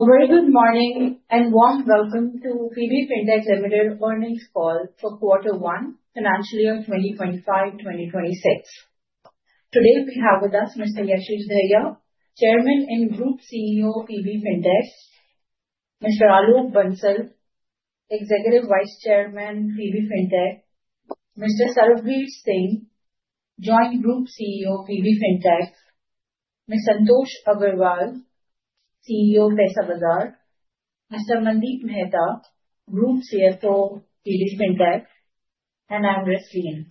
A very good morning and warm welcome to PB Fintech Ltd. Earnings Call for Quarter One Financial Year 2025-2026. Today we have with us Mr. Yashish Dahiya, Chairman and Group CEO PB Fintech, Mr. Alok Bansal, Executive Vice Chairman PB Fintech, Mr. Sarbvir Singh, Joint Group CEO PB Fintech, Mr. Santosh Agarwal, CEO Paisabazaar, Mr. Mandeep Mehta, Group CFO PB Fintech, and I'm Rasleen.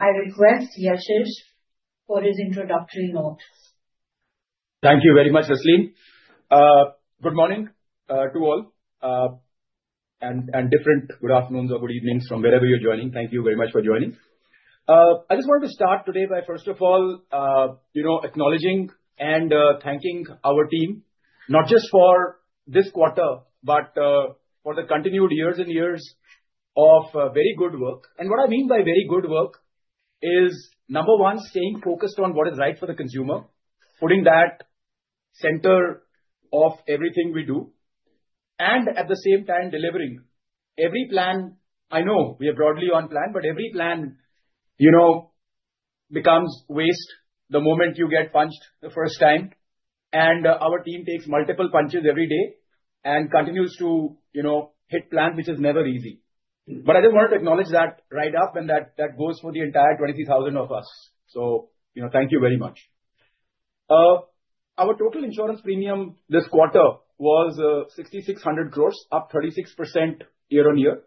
I request Yashish for his introductory notes. Thank you very much Rasleen. Good morning to all and different good afternoons or good evenings from wherever you're joining. Thank you very much for joining. I just wanted to start today by first of all acknowledging and thanking our team not just for this quarter but for the continued years and years of very good work. What I mean by very good work is, number one, staying focused on what is right for the consumer, putting that center of everything we do and at the same time delivering every plan. I know we are broadly on plan but every plan, you know, becomes waste the moment you get punched the first time. Our team takes multiple punches every day and continues to, you know, hit plans which is never easy. I just wanted to acknowledge that right up and that goes for the entire 23,000 of us. So, you know, thank you very much. Our total insurance premium this quarter was 6,600 crores, up 36% year on year.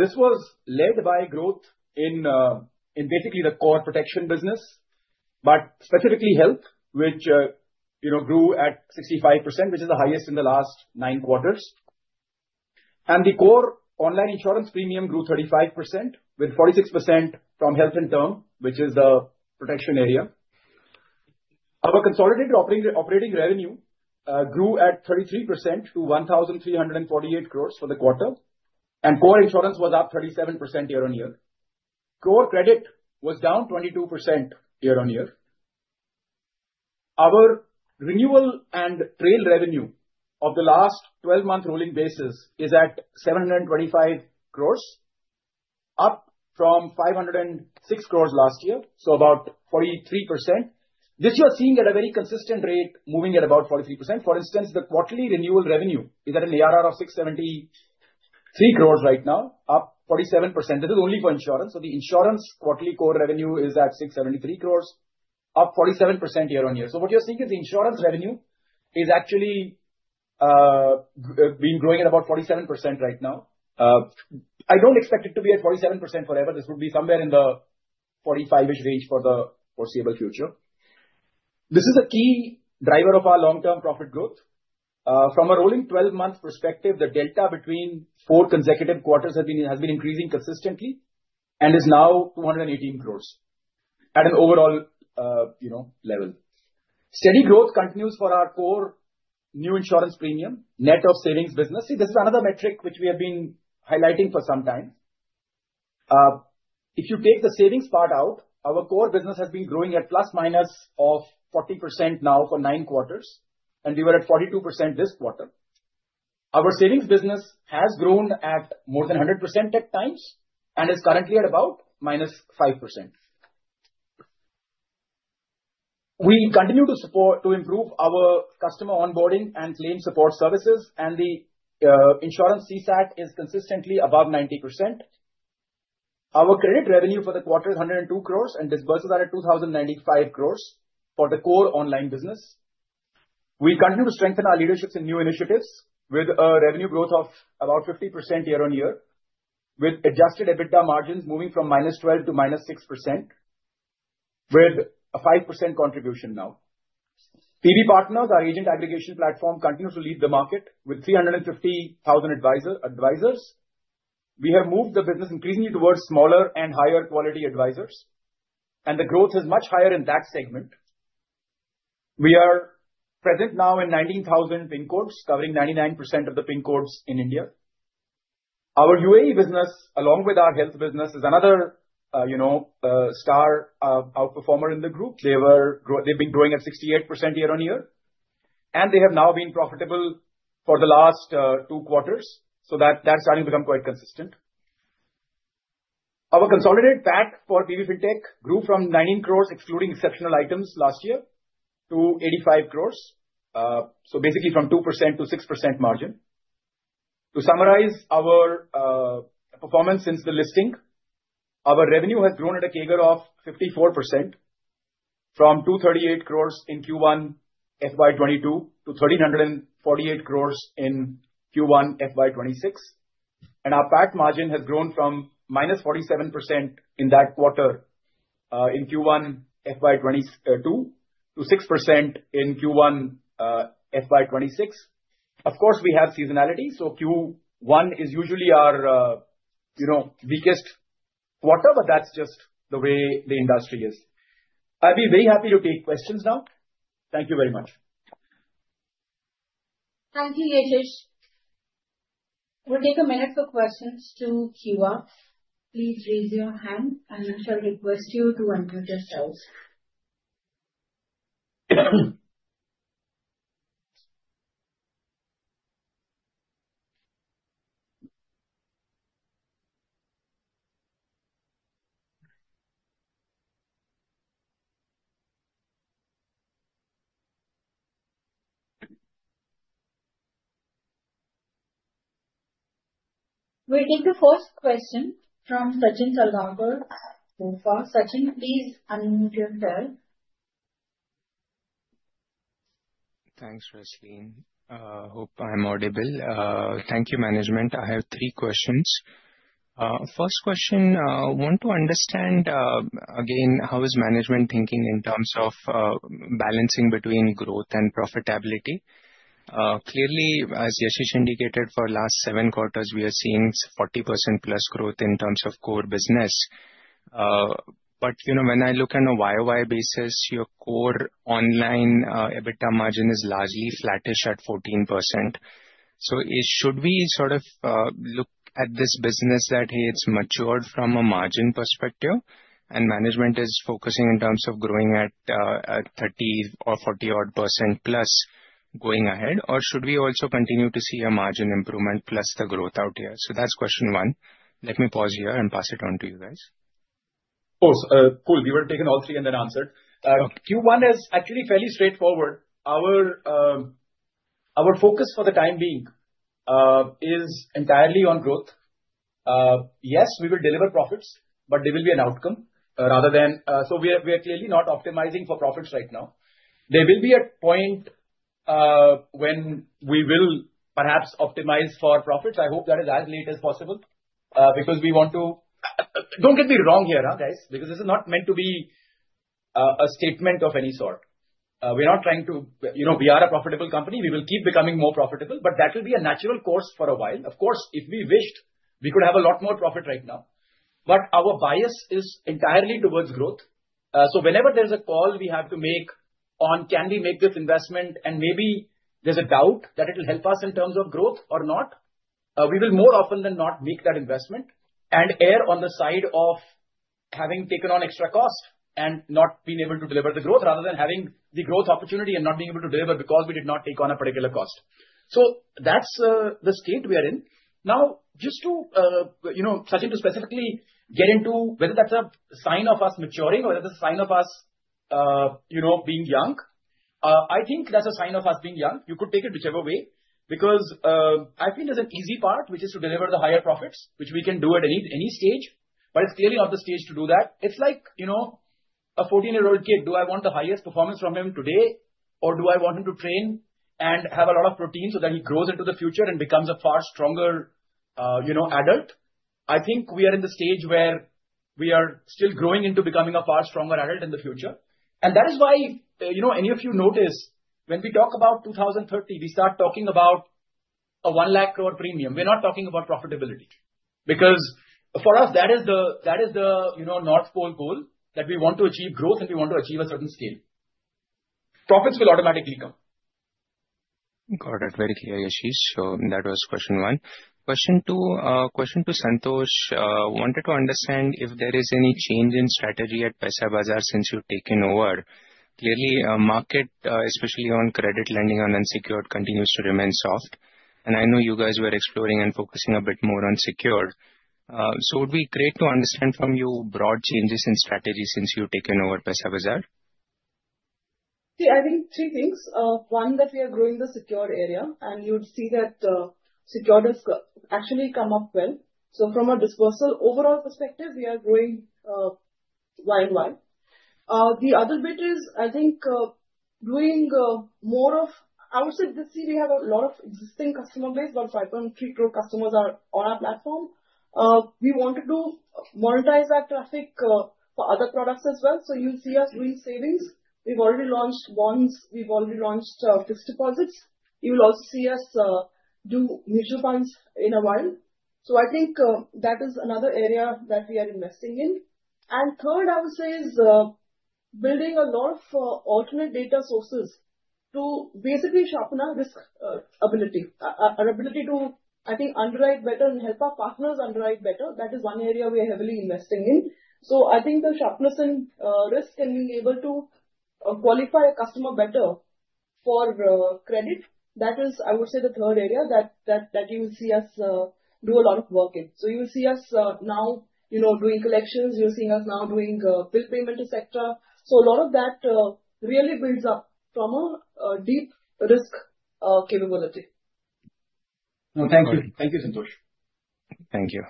This was led by growth in basically the core protection business, specifically Health which grew at 65%, which is the highest in the last nine quarters. The core online insurance premium grew 35% with 46% from Health and term which is the protection area. Our consolidated operating revenue grew at 33% to 1,348 crores for the quarter. Core insurance was up 37% year on year. Core credit was down 22% year on year. Our renewal and trail revenue of the last 12 month rolling basis is at 725 crores, up from 506 crores last year, so about 43%. This you are seeing at a very consistent rate moving at about 43%. For instance, the quarterly renewal revenue is at an ARR of 673 crores right now, up 47%. This is only for insurance. The insurance quarterly core revenue is at 673 crores, up 47% year on year. What you're seeing is the insurance revenue is actually been growing at about 47% right now. I don't expect it to be at 47% forever. This would be somewhere in the 45% range for the foreseeable future. This is a key driver of our long term profit growth. From a rolling 12 month perspective, the delta between four consecutive quarters has been increasing consistently and is now 218 crores. At an overall level, steady growth continues. For our core new insurance premium net of savings business, this is another metric which we have been highlighting for some time. If you take the savings part out, our core business has been growing at plus minus of 40% now for nine quarters and we were at 42% this quarter. Our savings business has grown at more than 100% at times and is currently at about -5%. We continue to support to improve our customer onboarding and claim support services, and the insurance CSAT is consistently above 90%. Our credit revenue for the quarter is 102 crore and disbursals are at 2,095 crore. For the core online business, we continue to strengthen our leaderships in new initiatives with a revenue growth of about 50% year on year, with adjusted EBITDA margins moving from -12% to -6% with a 5% contribution now. PB Partners, our agent aggregation platform, continues to lead the market with 350,000 advisors. We have moved the business increasingly towards smaller and higher quality advisors, and the growth is much higher in that segment. We are present now in 19,000 pin codes, covering 99% of the pin codes in India. Our UAE business along with our Health business is another, you know, star outperformer in the group. They have been growing at 68% year on year, and they have now been profitable for the last two quarters. That is starting to become quite consistent. Our consolidated PAT for PB Fintech grew from 19 crore excluding exceptional items last year to 85 crore, so basically from 2% to 6% margin. To summarize our performance since the listing, our revenue has grown at a CAGR of 54% from 238 crore in Q1 FY 2022 to 1,348 crore in Q1 FY 2026, and our PAT margin has grown from -47% in that quarter in Q1 FY 2022 to 6% in Q1 FY 2026. Of course, we have seasonality, so Q1 is usually our weakest quarter. That is just the way the industry is. I'd be very happy to take questions now. Thank you very much. Thank you, Yashish. We'll take a minute for questions to queue up. Please raise your hand and I shall request you to unmute yourselves. We take the first question from Sachin Salgaonkar BofA so far. Sachin, please unmute yourself. Thanks Rasleen. Hope I'm audible. Thank you. Management, I have three questions. First question, want to understand again, how is management thinking in terms of balancing between growth and profitability? Clearly, as Yashish indicated, for last seven. Quarters we are seeing 40%+ growth in terms of core business. When I look on a YoY basis, your core online EBITDA margin is largely flattish at 14%. Should we sort of look at this business that, hey, it's matured from a margin perspective and management is focusing in terms of growing at 30 or 40% plus going ahead, or should we also continue to see a margin improvement plus the growth out here? That's question one. Let me pause here and pass it on to you guys. Cool. We were taking all three and then answered. Q1 is actually fairly straightforward. Our focus for the time being is entirely on growth. Yes, we will deliver profits, but there will be an outcome rather than. We are clearly not optimizing for profits right now. There will be a point when we will perhaps optimize for profits. I hope that is as late as possible because we want to. Don't get me wrong here guys, because this is not meant to be a statement of any sort. We're not trying to, you know, we are a profitable company. We will keep becoming more profitable, but that will be a natural course for a while. Of course, if we wished, we could have a lot more profit right now. Our bias is entirely towards growth. Whenever there's a call we have to make on can we make this investment and maybe there's a doubt that it will help us in terms of growth or not, we will more often than not make that investment and err on the side of having taken on extra cost and not being able to deliver the growth rather than having the growth opportunity and not being able to deliver because we did not take on a particular cost. That's the state we are in now. Just to, you know, starting to specifically get into whether that's a sign of us maturing or that's a sign of us being young. I think that's a sign of us being young. You could take it whichever way because I think there's an easy part, which is to deliver the higher profits, which we can do at any stage. It's clearly not the stage to do that. It's like, you know, a 14-year-old kid. Do I want the highest performance from him today or do I want him to train and have a lot of protein so that he grows into the future and becomes far stronger? I think we are in the stage where we are still growing into becoming a far stronger adult in the future. That is why, if any of you notice, when we talk about 2030, we start talking about a 1 lakh crore premium. We are not talking about profitability because for us that is the North Pole goal. We want to achieve growth and we want to achieve a certain scale, profits will automatically come. Got it? Very clear, Yashish. That was question one, question two. Question to Santosh. Wanted to understand if there is any change in strategy at Paisabazaar since. You've taken over clearly market especially on. Credit lending on unsecured continues to remain soft. I know you guys were exploring and focusing a bit more on secured. It would be great to understand from you broad changes in strategy since you've taken over Paisabazaar. I think three things. One, that we are growing the secured area and you'd see that secured has actually come up well. From a dispersal overall perspective, we. Are growing wide, wide. The other bit is, I think, doing more of, I would say, this. We have a lot of existing customer base. About 5.3 crore customers are on our platform. We want to monetize that traffic for other products as well. You'll see us doing savings. We've already launched bonds, we've already launched fixed deposits. You'll also see us do mutual funds in a while. I think that is another area that we are investing in. Third, I would say, is building a lot of alternate data sources to basically sharpen our risk ability, our ability to underwrite better and help our partners underwrite better. That is one area we are heavily investing in. The sharpness in risk and being able to qualify a customer better for credit, that is, I would say, the third area that you will see us do a lot of work in. You will see us now doing collections, you're seeing us now doing bill payment, etc. A lot of that really builds up from a deep risk capability. Thank you. Thank you, Santosh. Thank you.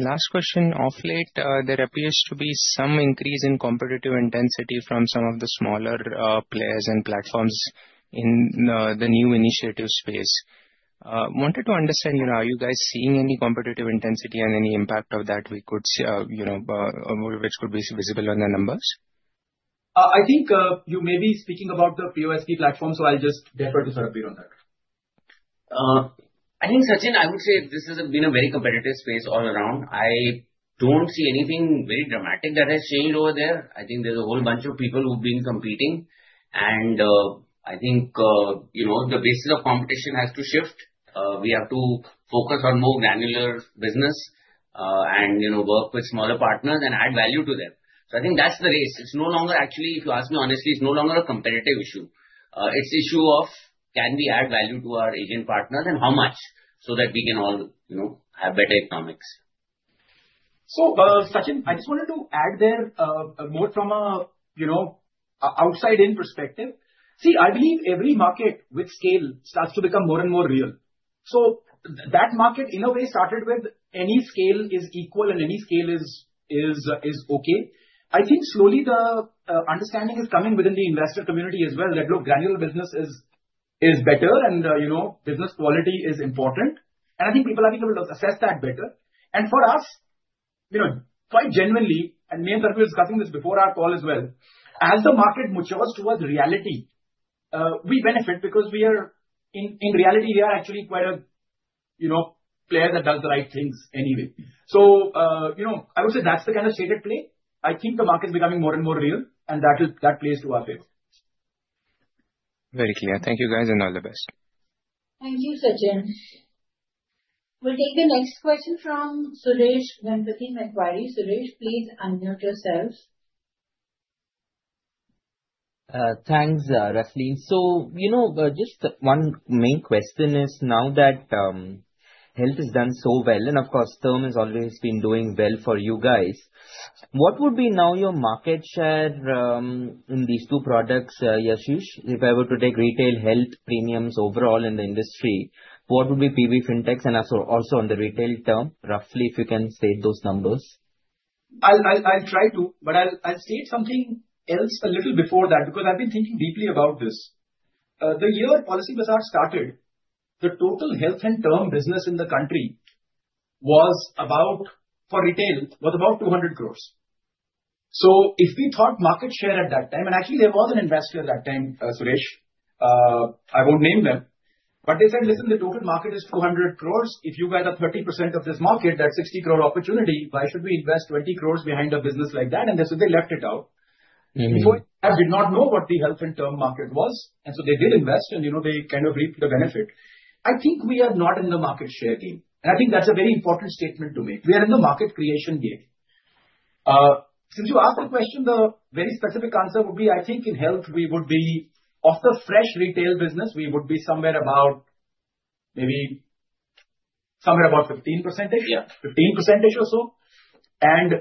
Last question, off late, there appears. to be some increase in competitive intensity. From some of the smaller players and platforms in the new initiative space, wanted to understand, you know, are you guys seeing any competitive intensity and any impact of that we could, you know, which could be visible on the numbers. I think you may be speaking about the POSP platform, so I'll just defer to Sarbvir Singh on that. I think, Sachin, I would say this has been a very competitive space all around. I don't see anything very dramatic that has changed over there. I think there's a whole bunch of people who've been competing, and I think the basis of competition has to shift. We have to focus on more granular business and work with smaller partners. Add value to them. I think that's the race. It's no longer, actually, if you ask me honestly, it's no longer a competitive issue. It's an issue of can we add value to our agent partners and how much, so that we can all have better economics. I just wanted to add there more from an outside in perspective. I believe every market with scale starts to become more and more real. That market in a way started with any scale is equal and any scale is okay. I think slowly the understanding is coming within the investor community as well that, look, granular business is better and business quality is important, and I think people are able to assess that better. For us, quite genuinely, me and Sarbvir were discussing this before our call as well, as the market matures towards reality, we benefit because we are in, in reality, we are actually quite a, you know, player that does the right things anyway. I would say that's the kind of state at play. I think the market is becoming more and more real, and that plays to our favor very clear. Thank you guys and all the best. Thank you, Sachin. We'll take the next question from Suresh Ganapathy, Macquarie. Suresh, please unmute yourself. Thanks, Rasleen. You know, just one main question. Is now that Health has done so well and of course term has always been doing well for you guys, what would be now your market share in these two products? Yashish, if I were to take retail. Health premiums overall in the industry, what. Would be PB Fintech's and also on. The retail term, roughly, if you can state those numbers. I'll try to, but I'll state something else a little before that because I've been thinking deeply about this. The year Policybazaar started, the total Health and term business in the country was about, for retail, was about 200 crore. If we thought market share at that time, and actually there was an investor that time, Suresh, I won't name them, but they said, listen, the total market is 200 crore. If you guys are 30% of this market, that's a 60 crore opportunity. Why should we invest 20 crore behind a business like that? They said they left it out before, did not know what the Health and term market was, and so they did invest and, you know, they kind of reaped the benefit. I think we are not in the market share game, and I think that's a very important statement to make. We are in the market creation game. Since you asked the question, the very specific answer would be, I think in Health we would be, of the fresh retail business, we would be somewhere about, maybe somewhere about 15%. 15% or so.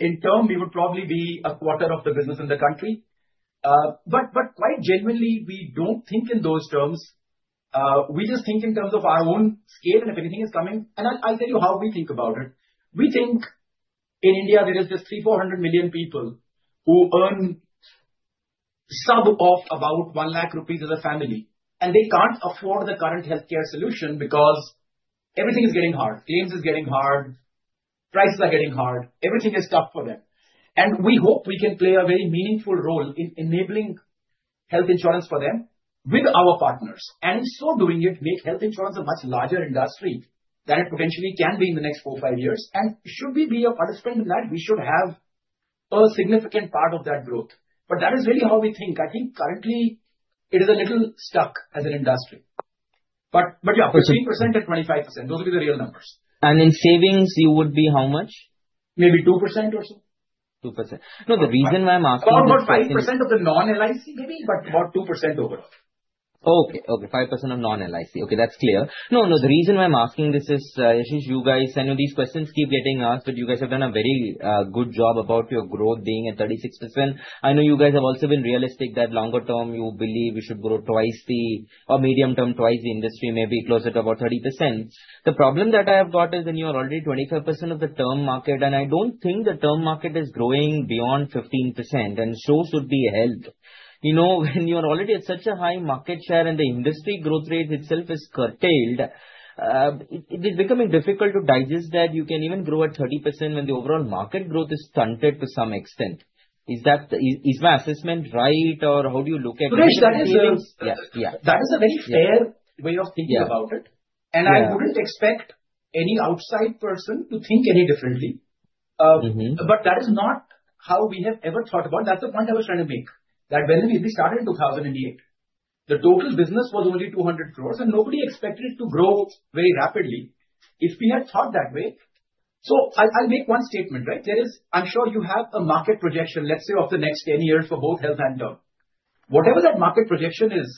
In term, we would probably be a quarter of the business in the country. Quite genuinely, we don't think in those terms. We just think in terms of our own scale, and if anything is coming. I'll tell you how we think about it. We think in India there is just 340 million people who earn sub of about 1 lakh rupees as a family, and they can't afford the current Healthcare solution because everything is getting hard. Games is getting hard, prices are getting hard, everything is tough for them. We hope we can play a very meaningful role in enabling Health insurance for them with our partners, and in so doing, make Health insurance a much larger industry than it potentially can be in the next four, five years. Should we be a participant in that? We should have a significant part of that growth. That is really how we think. I think currently it is a little stuck as an industry, but yeah, 15% and 25%, those would be the real numbers. In savings you would be how much? Maybe 2% or so. 2%? No. The reason why I'm asking, about 5% of the non LIC maybe, but about 2% overall. Okay, okay, 5% of non LIC. Okay, that's clear. No, the reason why I'm asking this is you guys. I know these questions keep getting asked, but you guys have done a very. Good job about your growth being at 36%. I know you guys have also been. Realistic that longer term you believe we should grow twice the or medium term, twice the industry may be closer to about 30%. The problem that I have got is that you are already 25% of the term market, and I don't think the. Term market is growing beyond 15% and should be held. You know, when you are already at such a high market share and the industry growth rate itself is curtailed, it is becoming difficult to digest that you can even grow at 30% when the overall market growth is stunted to some. Extent is that is my assessment, right? How do you look at that? Suresh Is a very fair way of thinking about it. I wouldn't expect any outside person to think any differently. That is not how we have ever thought about it. That's the point I was trying to make, that when we started in 2008, the total business was only 200 crore and nobody expected it to grow very rapidly if we had thought that way. I'll make one statement, right. I'm sure you have a market projection, let's say, of the next 10 years for both Health and turbulence, whatever that market projection is.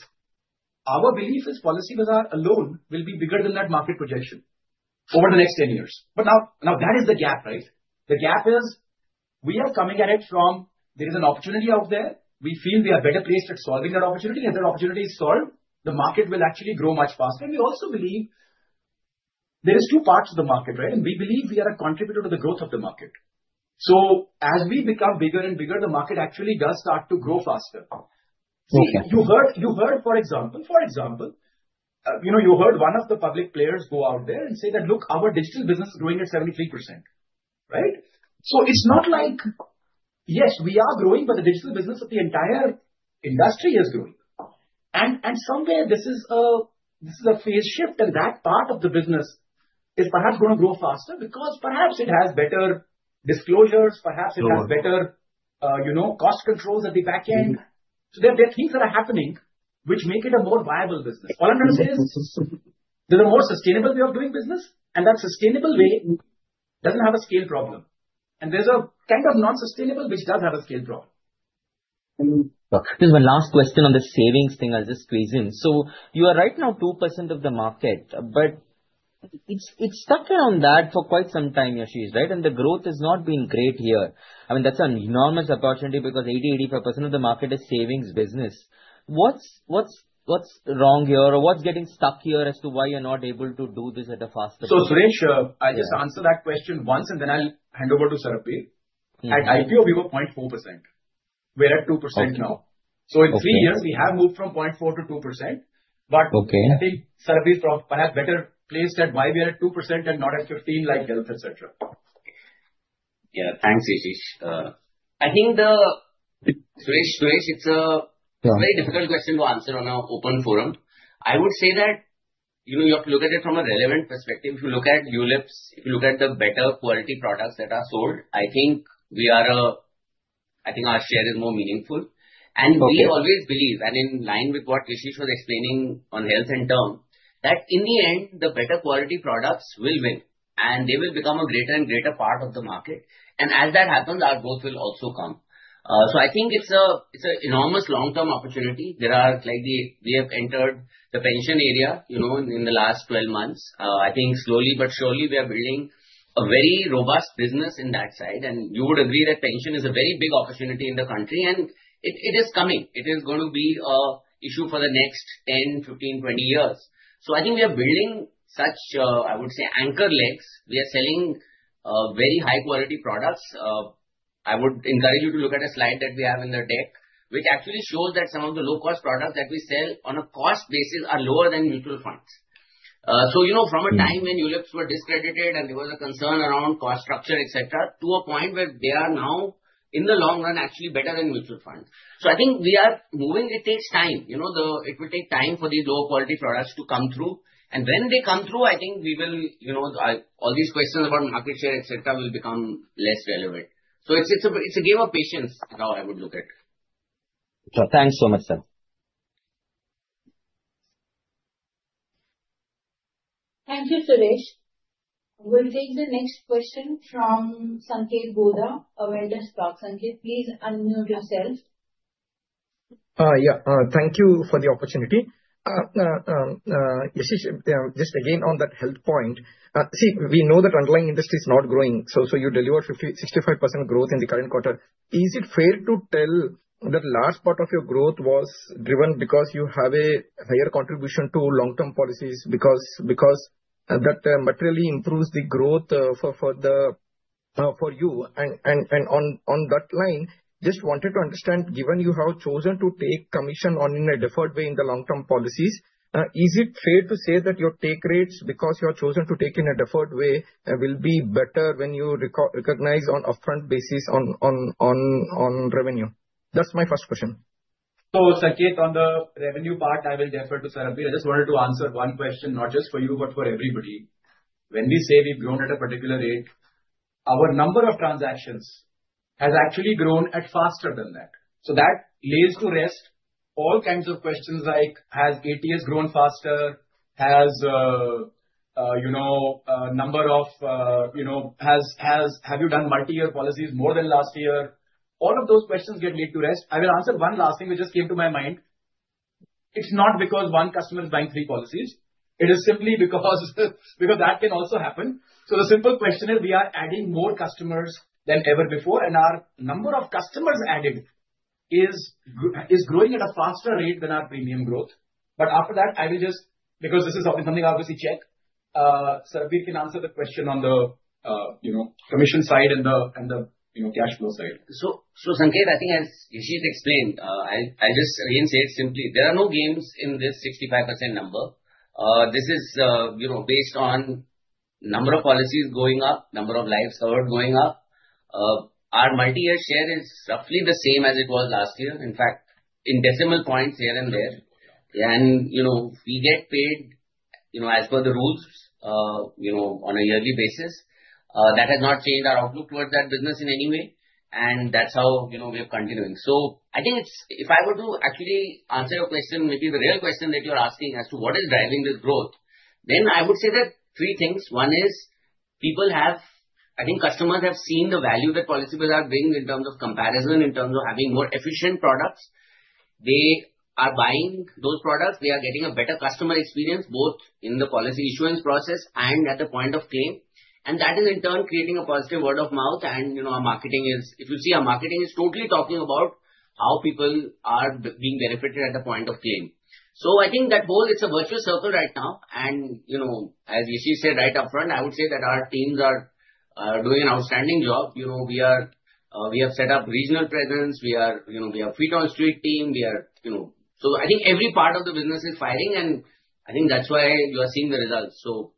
Our belief is Policybazaar alone will be bigger than that market projection over the next 10 years. That is the gap, right? The gap is we are coming at it from there is an opportunity out there. We feel we are better placed at solving that opportunity, and if that opportunity is solved, the market will actually grow much faster. We also believe there are two parts of the market. We believe we are a contributor to the growth of the market. As we become bigger and bigger, the market actually does start to grow faster. You heard, for example, you heard one of the public players go out there and say that, look, our digital business is growing at 73%, right? It's not like yes, we are growing, but the digital business of the entire industry is growing, and somewhere this. This is a phase shift. That part of the business is perhaps going to grow faster because perhaps it has better disclosures, perhaps it has better, you know, cost controls at the back end. There are things that are happening which make it a more viable business. All I'm going to say is there's a more sustainable way of doing business and that sustainable way doesn't have a scale problem and there's a kind of non-sustainable which does have a scale problem. There's one last question on the savings thing. I'll just squeeze in. You are right now 2% of. The market, but it's stuck around that. For quite some time, Yashish, right, and the growth has not been great here. I mean that's an enormous opportunity because. 80%, 85% of the market is savings business. What's wrong here or what's getting stuck? Here is to why you're not able. To do this at a fast pace. Suresh, I'll just answer that question once and then I'll hand over to Sarbvir. At IPO we were at 0.4%. We're at 2% now. In three years we have moved from 0.4% to 2%. I think Sarbvir is perhaps better placed at why we are at 2% and not at 15% like Health, etc. Yeah, thanks Yashish. I think it's a very difficult question to answer on an open forum. I would say that, you know, you have to look at it from a relevant perspective. If you look at ULIPs, if you look at the better quality products that are sold, I think our share is more meaningful and we always believe, in line with what Yashish was explaining on Health and term, that in the end the better quality products will win and they will become a greater and greater part of the market. As that happens our growth will also come. I think it's an enormous long term opportunity. We have entered the pension area in the last 12 months. I think slowly but surely we are building a very robust business in that side. You would agree that pension is a very big opportunity in the country and it is going to be an issue for the next 10, 15, 20 years. I think we are building such, I would say anchor legs. We are selling very high quality products. I would encourage you to look at a slide that we have in the deck which actually shows that some of the low cost products that we sell on a cost basis are lower than mutual funds. From a time when ULIPs were discredited and there was a concern around cost structure, etc., to a point where they are now in the long run actually better than mutual funds. I think we are moving. It takes time, you know, it will take time for these lower quality products to come through and when they come through, I think we will, you know, all these questions about market share, etc., will become less relevant. It's a game of patience. Now I would look at. Thanks so much, sir. Thank you, Suresh. We'll take the next question from Sanketh Godha, Avendus Stock. Sanketh, please unmute yourself. Thank you for the opportunity. Just again on that Health point. See, we know that underlying industry is not growing. You deliver 65% growth in the current quarter. Is it fair to tell that large part of your growth was driven because you have a higher contribution to long term policies? Because that materially improves the growth for you? On that line, just wanted to understand, given you have chosen to take commission in a deferred way in the long term policies, is it fair to say that your take rates, because you have chosen to take in a deferred way, will be better when you recognize on upfront basis on revenue? That's my first question. Sanketh, on the revenue part I will defer to Sarbvir, I just wanted to answer one question not just for you but for everybody. When we say we've grown at a particular rate, our number of transactions has actually grown faster than that. That lays to rest all kinds of questions like has ATS grown faster, has number of, have you done multi year policies more than last year. All of those questions get laid to rest. I will answer one last thing which just came to my mind. It's not because one customer is buying three policies. It is simply because that can also happen. The simple question is we are adding more customers than ever before and our number of customers added is growing at a faster rate than our premium growth. After that I will, just because this is something I obviously check, Sarbvir can answer the question on the commission side and the cash flow side. Sanketh, I think as Yashish I just again say it simply, there are no games in this 65% number. This is based on number of policies going up, number of lives covered going up. Our multi-year share is roughly the same as it was last year, in fact in decimal points here and there. We get paid as per the rules on a yearly basis. That has not changed our outlook towards that business in any way. That is how we are continuing. I think if I were to actually answer your question, maybe the real question that you're asking as to what is driving this growth, then I would say that three things. One is people have, I think customers have seen the value that Policybazaar brings in terms of comparison, in terms of having more efficient products. They are buying those products, they are getting a better customer experience both in the policy issuance process and at the point of claim. That is in turn creating a positive word of mouth. Our marketing is, if you see, our marketing is totally talking about how people are being benefited at the point of claim. I think that both, it's a virtuous circle right now. As Yashish said right up front, I would say that our teams are doing an outstanding job. We have set up regional presence. We have free to team. I think every part of the business is firing and I think that's why you are seeing the results. So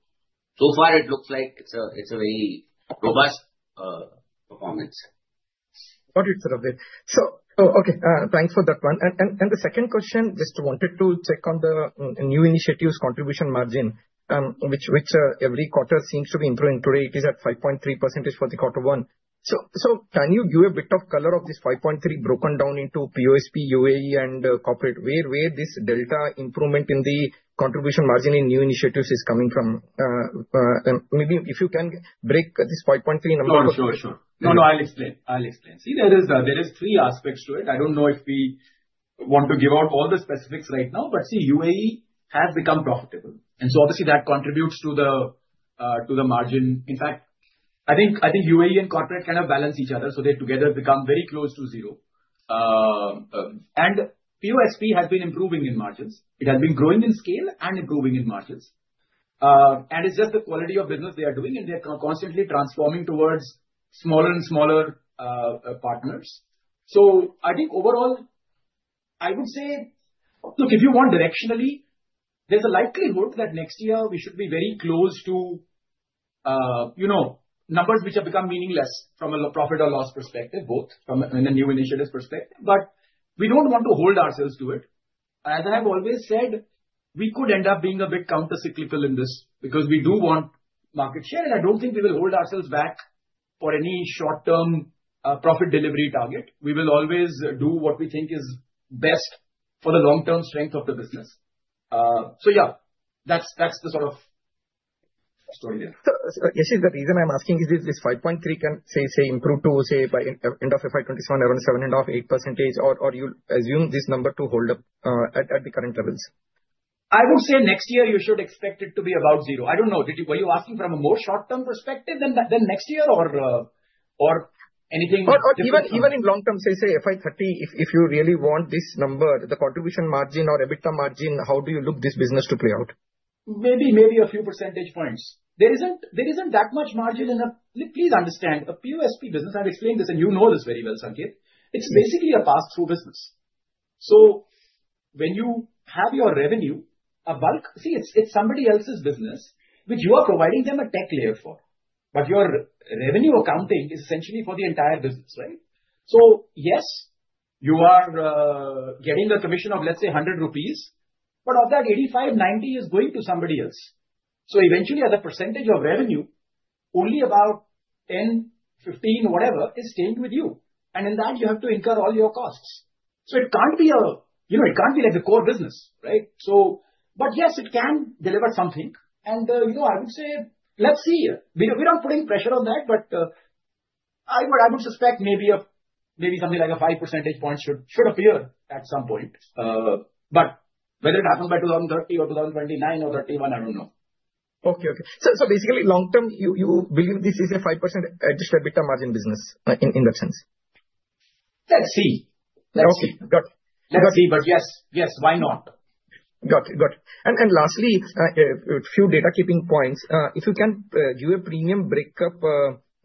far it looks like it's a very robust performance. Okay, thanks for that one. The second question, just wanted to check on the new initiatives contribution margin which every quarter seems to be improving. Today it is at 5.3% for the quarter one. Can you give a bit of color of this 5.3% broken down into POSP, UAE, and Corporate, where this delta improvement in the contribution margin in new initiatives is coming from? Maybe if you can break this 5.3% number. Sure, sure. I'll explain. See, there are three aspects to it. I don't know if we want to give out all the specifics right now, but UAE has become profitable and obviously that contributes to the margin. In fact, I think UAE and Corporate kind of balance each other, so they together become very close to zero. POSP has been improving in margins, it has been growing in scale and improving in margins, and it's just the quality of business they are doing and they are constantly transforming towards smaller and smaller partners. Overall, I would say, look, if you want directionally, there's a likelihood that next year we should be very close to, you know, numbers which have become meaningless from a profit or loss perspective, both from a new initiative perspective. We don't want to hold ourselves to it. As I have always said, we could end up being a bit countercyclical in this because we do want market share and I don't think we will hold ourselves back for any short term profit delivery target. We will always do what we think is best for the long term strength of the business. That's the sort of story there. Yes. The reason I'm asking is this 5.3% can, say, improve to, say, by end of FY 2027, around 7.5%-8% or you assume this number to hold up at the current levels. I would say next year you should expect it to be about zero. I don't know, were you asking from a more short term perspective than next year or anything? Even in long term, say FY 2030, if you really want this number, the contribution margin or EBITDA margin, how do you look this business to play out, maybe a few percentage points. There isn't that much margin in a. Please understand a POSP business. I've explained this and you know this very well, Sanketh. It's basically a pass-through business. When you have your revenue, a bulk, see, it's somebody else's business which you are providing them a tech layer for. Your revenue accounting is essentially for the entire business, right. Yes, you are getting a commission of, let's say, 100 rupees, but of that, 85, 90 is going to somebody else. Eventually, as a percentage of revenue, only about 10%, 15%, whatever, is staying with you. In that, you have to incur all your costs. It can't be, you know, it can't be like the core business. Right. Yes, it can deliver something. I would say let's see, we're not putting pressure on that, but I would suspect maybe something like a 5% point should appear at some point. Whether it happens by 2030 or 2029 or 2031, I don't know. Okay. Okay. Basically, long term you believe this is a 5% adjusted EBITDA margin. Business in that sense. Let's see, let's see. Yes, yes, why not? Got it. Lastly, a few data keeping points. If you can give a premium breakup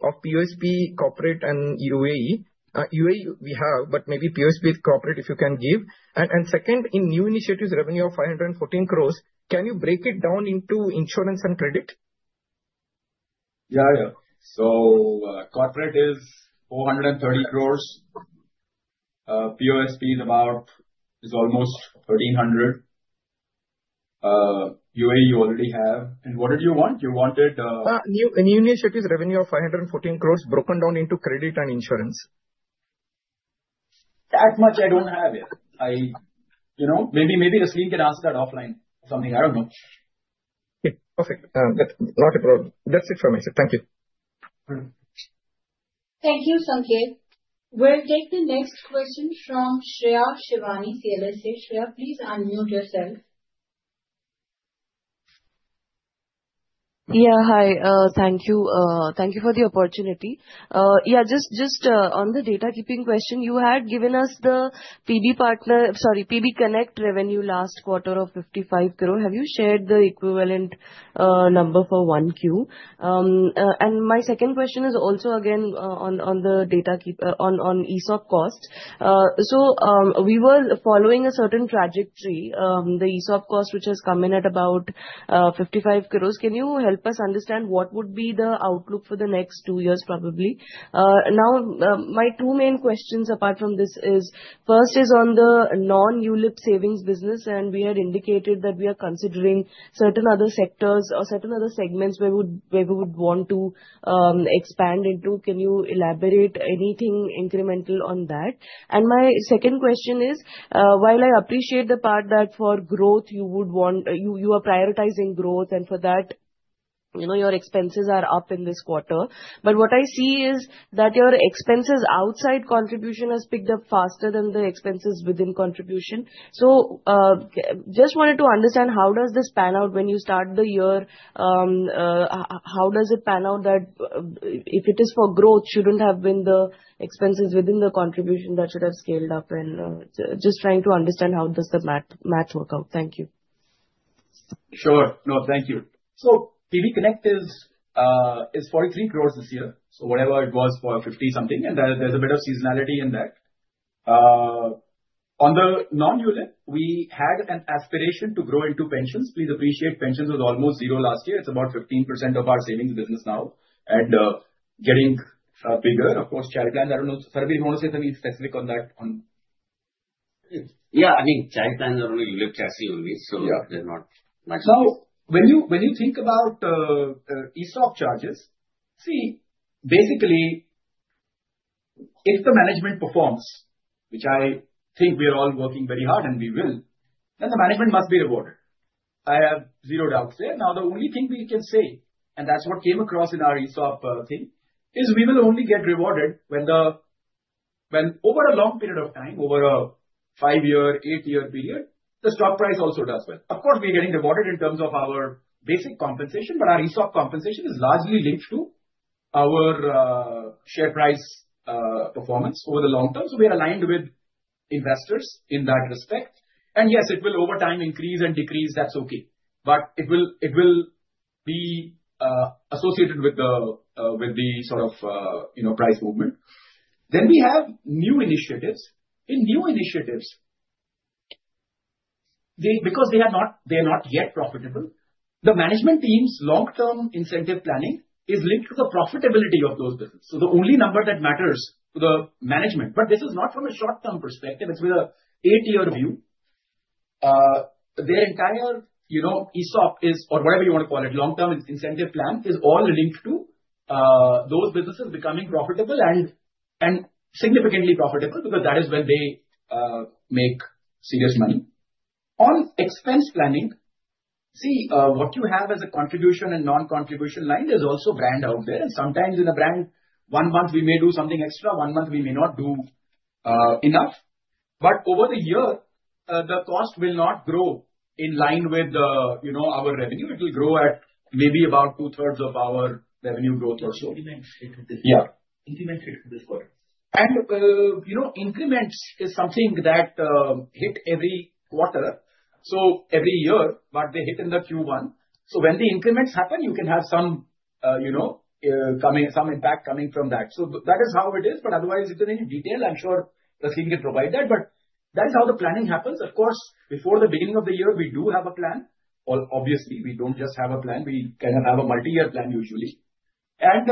of POSP, corporate, and UAE. UAE we have, but maybe POSP, corporate if you can give. Second, in new initiatives revenue of 514 crore, can you break it down into insurance and credit? Yeah. Corporate is 430 crore. POSP is almost 1,300 crore. UAE you already have. What did you want? You wanted new initiatives revenue of 514 crore broken down into credit and insurance. That much I don't have here. Maybe the Rasleen can ask that offline or something. I don't know. Perfect. Not a problem. That's it for my side. Thank you. Thank you, Sanket. We'll take the next question from Shreya Shivani, CLSA. Shreya, please unmute yourself. Yeah. Hi. Thank you. Thank you for the opportunity. Just on the data keeping question, you had given us the PB Partners revenue quarter of 55 crore. Have you shared the equivalent number for 1Q? My second question is also again on the data on ESOP cost. We were following a certain trajectory. The ESOP cost, which has come in at about 55 crore. Can you help us understand what would be the outlook for the next two years? Probably. Now my two main questions apart from this are, first is on the non-ULIP savings business and we had indicated that we are considering certain other sectors or certain other segments where we would want to expand into. Can you elaborate anything incremental on that? My second question is, while I appreciate the part that for growth you would want, you are prioritizing growth and for that your expenses are up in this quarter, what I see is that your expenses outside contribution have picked up faster than the expenses within contribution. I just wanted to understand how does this pan out when you start the year? How does it pan out that if it is for growth, shouldn't the expenses within the contribution have scaled up? I am just trying to understand how does the match work out. Thank you. Sure. No, thank you. PB Connect is 43 crore this year. It was 50-something and there's a bit of seasonality in that. On the non-ULIP, we had an aspiration to grow into pensions. Please appreciate, pensions was almost zero last year. It's about 15% of our savings business now and getting bigger, of course. Char, I don't know, you want to say something specific on that? Yeah. I mean charity plans are only lift chassis only, so they're not much. When you think about ESOP charges, basically if the management performs, which I think we are all working very hard and we will, then the management must be rewarded. I have zero doubts there. The only thing we can say, and that's what came across in our ESOP thing, is we will only get rewarded when over a long period of time, over a five year, eight year period, the stock price also does well. Of course, we are getting rewarded in terms of our basic compensation, but our ESOP compensation is largely linked to our share price performance over the long term. We are aligned with investors in that respect. Yes, it will over time increase and decrease, that's okay. It will be associated with the sort of price movement. We have new initiatives. In new initiatives, because they are not yet profitable, the management team's long term incentive planning is linked to the profitability of those businesses. The only number that matters to the management is not from a short term perspective. It's with an eight year view. Their entire ESOP, or whatever you want to call it, long term incentive plan, is all linked to those businesses becoming profitable and significantly profitable because that is when they make serious money on expense planning. What you have as a contribution and non-contribution line, there's also brand out there and sometimes in a brand, one month we may do something extra, one month we may not do enough. Over the year, the cost will not grow in line with our revenue. It will grow at maybe about two thirds of our revenue growth or so. Increments are something that hit every quarter, so every year, but they hit in Q1. When the increments happen, you can have some impact coming from that. That is how it is. If any detail is needed, I'm sure the scheme can provide that. That is how the planning happens. Of course, before the beginning of the year, we do have a plan. Obviously, we don't just have a plan, we kind of have a multi-year plan usually, and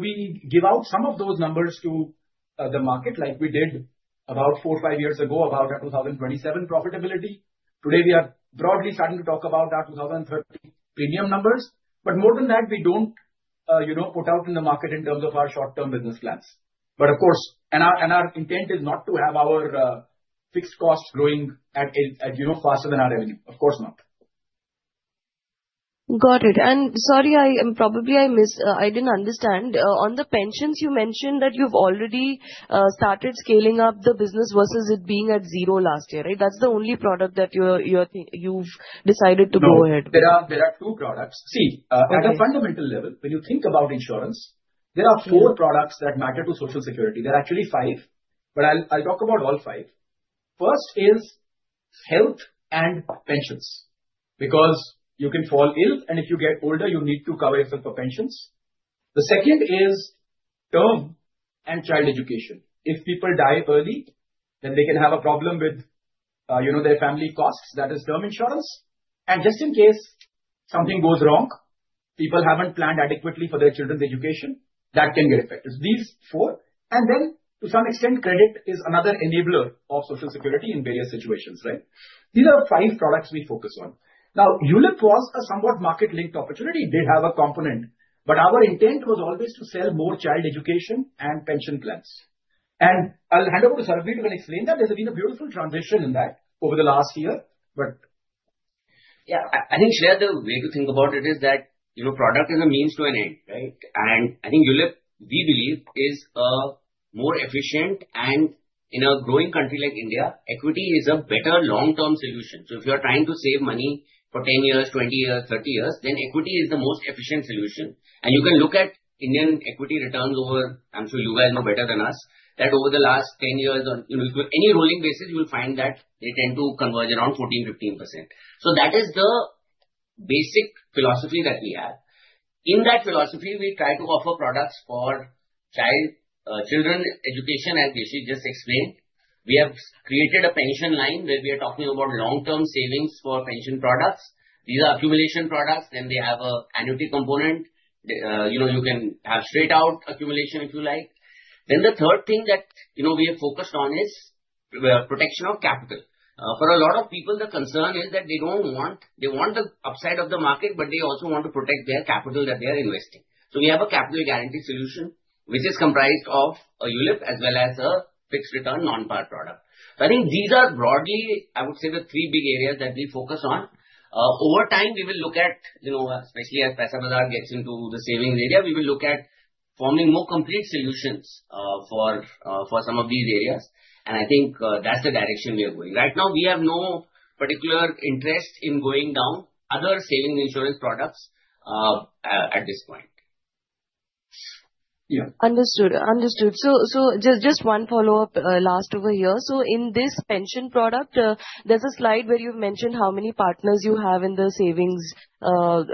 we give out some of those numbers to the market like we did about four or five years ago, about a 2027 profitability. Today, we are broadly starting to talk about our 2030 premium numbers. More than that, we don't put out in the market in terms of our short term business plans. Our intent is not to have our fixed cost growing faster than our revenue. Of course not. Got it. Sorry, I probably missed, I didn't understand. On the pensions, you mentioned that you've already started scaling up the business versus it being at zero last year. Right. That's the only product that you've decided to go ahead. There are two products. See, at a fundamental level, when you think about insurance, there are four products that matter to Social Security. There are actually five, but I'll talk about all five. First is Health and pensions because you can fall ill, and if you get older, you need to cover yourself for pensions. The second is term and child education. If people die early, then they can have a problem with, you know, their family costs. That is term insurance. Just in case something goes wrong, people haven't planned adequately for their children's education. That can get affected. These four, and then to some extent, credit is another enabler of Social Security in various situations. Right. These are five products we focus on. Now, ULIP was a somewhat market-linked opportunity, did have a component, but our intent was always to sell more child education and pension plans. I'll hand over to Sarbvir to explain that. There's been a beautiful transition in that over the last year. Yeah, I think, Shreya, the way to think about it is that, you know, product is a means to an end. Right. I think ULIP, we believe, is a more efficient and in a growing country like India, equity is a better long-term solution. If you're trying to save money for 10 years, 20 years, 30 years, then equity is the most efficient solution. You can look at Indian equity returns over, I'm sure you guys know better than us, that over the last 10 years, any rolling basis, you will find that they tend to converge around 14%, 15%. That is the basic philosophy that we have. In that philosophy, we try to offer products for children, education, and just explained, we have created a pension line where we are talking about long-term savings for pension products. These are accumulation products. They have an annuity component. You can have straight out accumulation if you like. The third thing that we have focused on is protection of capital. For a lot of people, the concern is that they want the upside of the market but they also want to protect their capital that they are investing. We have a capital guarantee solution which is comprised of a ULIP as well as a fixed return non-par product. I think these are broadly, I would say, the three big areas that we focus on over time. Especially as Paisabazaar gets into the savings area, we will look at forming more complete solutions for some of these areas. I think that's the direction we are going right now. We have no particular interest in going down other savings insurance products at this point. Yeah, understood, understood. Just one follow up last over here. In this pension product, there's a slide where you've mentioned how many partners you have in savings and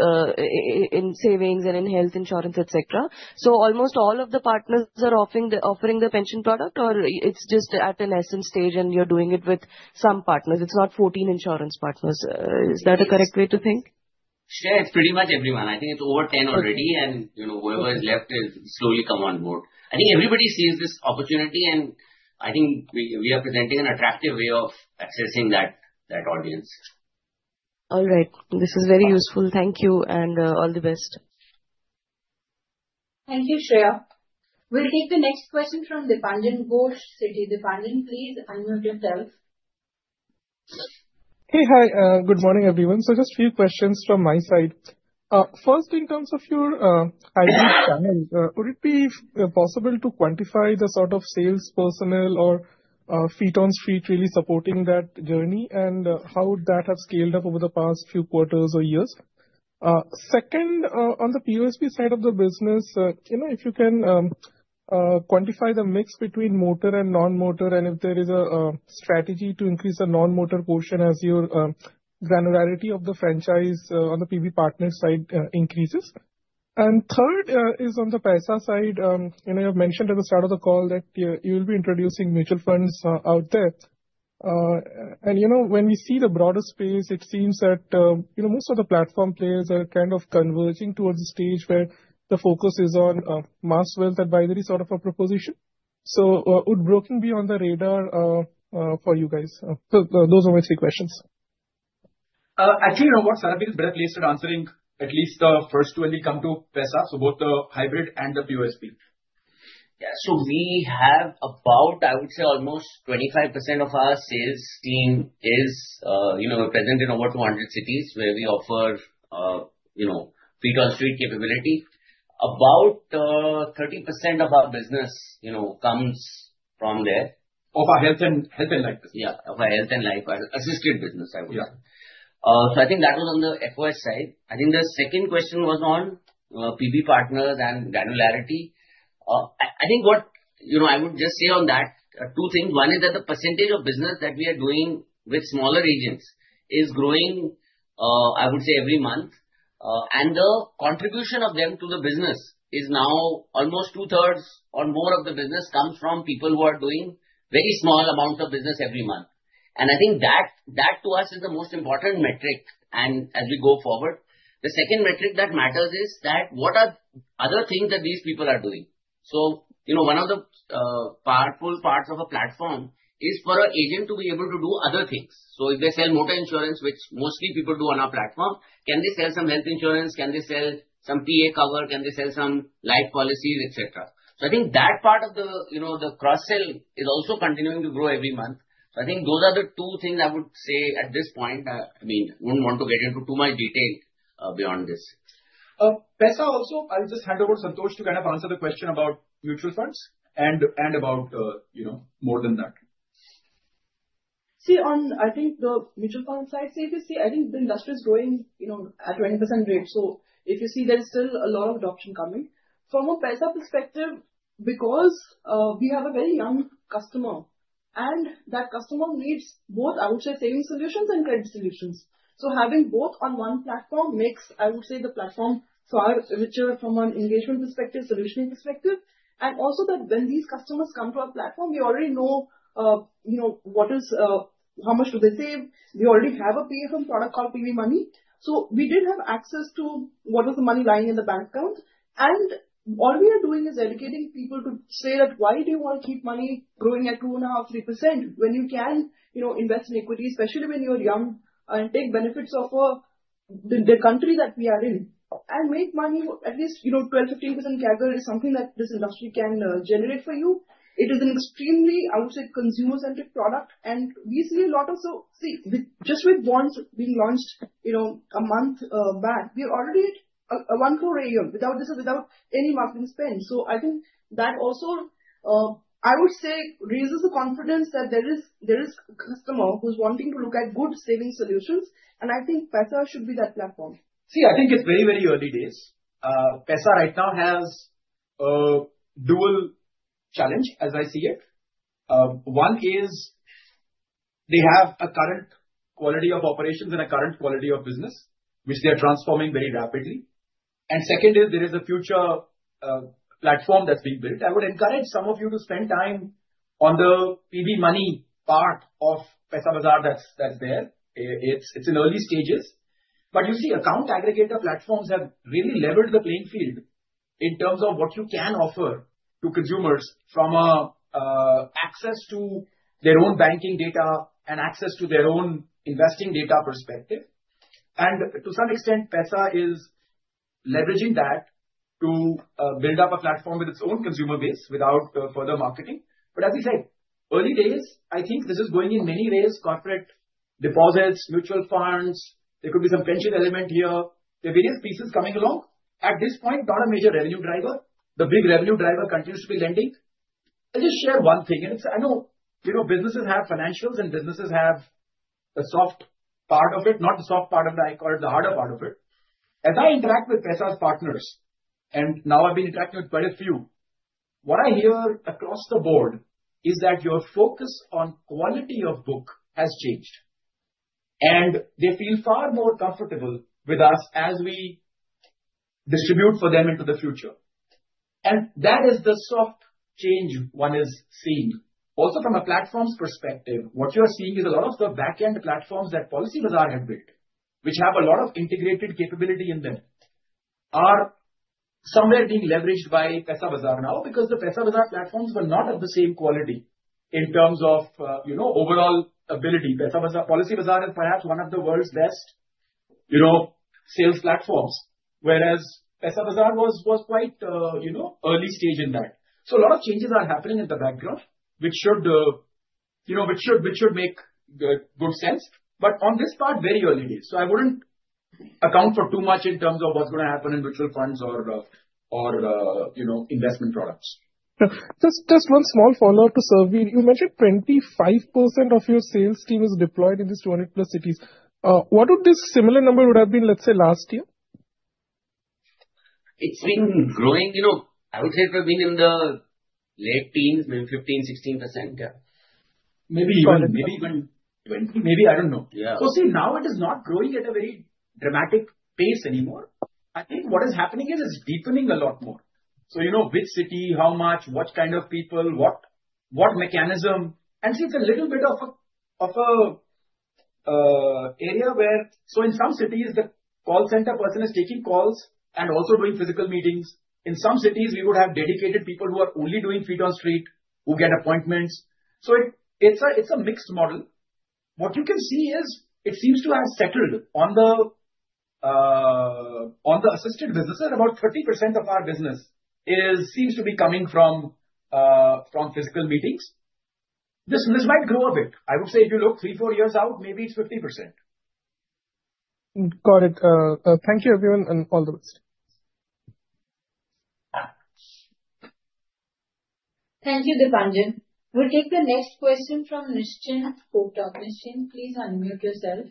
in Health insurance, etc. Almost all of the partners are offering the pension product or it's just at an essence stage and you're doing it with some partners. It's not 14 insurance partners. Is that a correct way to think? Sure. It's pretty much everyone. I think it's over 10 already, and whoever is left is slowly coming on board. I think everybody sees this opportunity, and I think we are presenting an attractive way of accessing that audience. All right, this is very useful. Thank you and all the best. Thank you, Shreya. We'll take the next question from Dipanjan Ghosh. Citi Dipanjan, please unmute yourself. Hey. Hi. Good morning everyone. Just a few questions from my side. First, in terms of your, would it be possible to quantify the sort of sales personnel or feet on street really supporting that journey, and how would that have scaled up over the past few quarters or years? Second, on the POSP side of the business, if you can quantify the mix between motor and non-motor, and if there is a strategy to increase a non-motor portion as your granularity of the franchise on the PB Partners side increases. Third is on the Paisabazaar side. You have mentioned at the start of the call that you will be introducing mutual funds out there. When we see the broader space, it seems that most of the platform players are kind of converging towards the stage where the focus is on mass wealth advisory, sort of a proposition. Would broking be on the radar for you guys? Those are my three questions. Actually, Sarbvir is better placed at answering at least the first when we come to Paisa. Both the Hybrid and the POSP. Yeah, we have about, I would say almost 25% of our sales team present in over 200 cities where we offer feet on street capability. About 30% of our business comes from there. Of our Health and life. Yeah, of our Health and life assisted. Business, I would say. I think that was on the FoS side. The second question was on PB Partners and granularity. I would just say on that two things. One is that the percentage of business that we are doing with smaller agents is growing, I would say every month. The contribution of them to the business is now almost 2/3rd or more of the business comes from people who are doing a very small amount of business every month. I think that to us is the most important metric. As we go forward, the second metric that matters is what are other things that these people are doing. One of the powerful parts of a platform is for an agent to be able to do other things. If they sell Motor insurance, which mostly people do on our platform, can they sell some Health insurance, can they sell some PA cover, can they sell some life policies, etc. I think that part of the cross sell is also. Continuing to grow every month. I think those are the two things I would say at this point. I mean, wouldn't want to get into too much detail beyond this, Paisa. Also, I'll just hand over to Santosh to kind of answer the question about mutual funds and about more than that. On the mutual fund side, I think the industry is growing at a 20% rate. If you see, there is still a lot of adoption coming from a Paisa perspective because we have a very young customer, and that customer needs both outside saving solutions and credit solutions. Having both on one platform makes the platform far richer from an engagement perspective and a solution perspective. When these customers come to our platform, we already know how much they save. We already have a PFM product called PB Money, so we did have access to what was the money lying in the bank account. All we are doing is educating people to say, why do you want to keep money growing at 2.5%-3% when you can invest in equity, especially when you're young, and take benefits of the country that we are in and make money at least 12%-15% CAGR, which is something that this industry can generate for you. It is an extremely consumer-centric product, and we see a lot of interest. With just bonds being launched a month back, we are already at 1 crore AUM without any marketing spend. I think that also raises the confidence that there is a customer who's wanting to look at good savings solutions, and I think Paisa should be that platform. See, I think it's very, very early days. Paisa right now has a dual challenge as I see it. One is they have a current quality of operations and a current quality of business which they are transforming very rapidly. Second is there is a future platform that's being built. I would encourage some of you to spend time on the PB Money part of Paisabazaar. That's there. It's in early stages. You see account aggregator platforms have really leveled the playing field in terms of what you can offer to consumers from access to their own banking data and access to their own investing data perspective. To some extent Paisabazaar is leveraging that to build up a platform with its own consumer base without further marketing. As I said, early days, I think this is going in many ways. Corporate deposits, mutual funds, there could be some pension element here, there are various pieces coming along at this point, not a major revenue driver. The big revenue driver continues to be lending. I'll just share one thing and it's, I know you know businesses have financials and businesses have a soft part of it. Not the soft part, I call it the harder part of it as I interact with Paisa's partners. Now I've been interacting with quite a few. What I hear across the board is that your focus on quality of book has changed and they feel far more comfortable with us as we distribute for them into the future. That is the soft change one is seeing. Also from a platform's perspective, what you are seeing is a lot of the backend platforms that Policybazaar had built which have a lot of integrated capability in them are somewhere being leveraged by Paisabazaar now because the Paisabazaar platforms were not of the same quality in terms of, you know, overall ability. Policybazaar is perhaps one of the world's best, you know, sales platforms whereas Paisabazaar was quite, you know, early stage in that. A lot of changes are happening in the background which should make good sense. On this part, very early days. I wouldn't account for too much in terms of what's going to happen in mutual funds or, you know, investment products. Just one small follow up to Sarbvir, you mentioned 25% of your sales team is deployed in these 200 plus cities. What would this similar number have been, let's say, last year. It's been growing, you know. I would say it would have been in the late teens, maybe 15%, 16%, maybe even. Maybe even 20%, maybe. I don't know. Yeah, now it is not growing at a very dramatic pace anymore. I think what is happening is it's deepening a lot more. You know, which city, how much, what kind of people, what mechanism. It's a little bit of an area where in some cities the call center person is taking calls and also doing physical meetings. In some cities we would have dedicated people who are only doing feet on street who get appointments. It's a mixed model. What you can see is it seems to have settled on the assisted businesses. About 30% of our business seems to be coming from physical meetings. This might grow a bit. I would say if you look three, four years out, maybe it's 50%. Got it. Thank you everyone and all the best. Thank you, Dipanjan. We'll take the next question from Nischint Kotak. Nischint, please unmute yourself.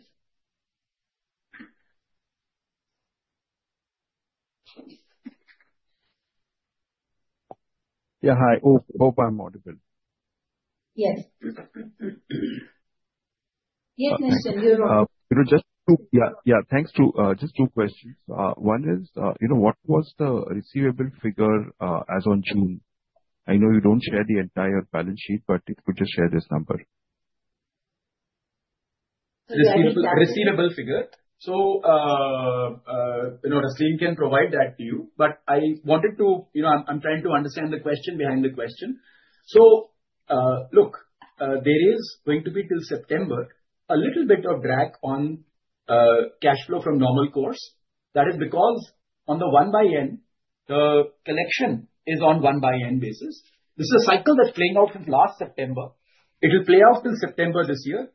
Hi. Hope I'm audible. Yes, yes. Yeah, thanks. Just two questions. One is, what was the receivable figure as on June? I know you don't share the entire balance sheet, but if you just share this number, receivable figure. Rasleen can provide that to you, but I wanted to, you know, I'm trying to understand the question behind the question. Look, there is going to be till September a little bit of drag on cash flow from normal course. That is because on the 1/n, the collection is on one by N basis. This is a cycle that's playing out since last September. It will play off till September this year.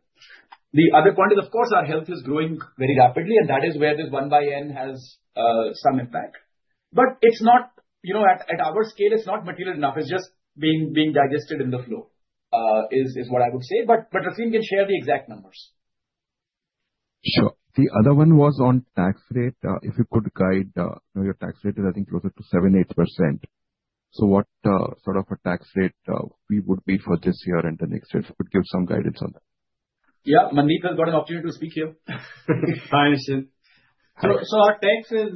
The other point is, of course, our Health is growing very rapidly and that is where this 1/n has some impact. At our scale, it's not material enough. It's just being digested in the flow is what I would say. Rasleen can share the exact numbers. Sure. The other one was on tax rate. If you could guide, your tax rate is, I think, closer to 7%, 8%. What sort of a tax rate would we be for this year and the next year? Could you give some guidance on that? Yeah, Mandeep has got an opportunity to speak here. Hi Nischint. Our tax is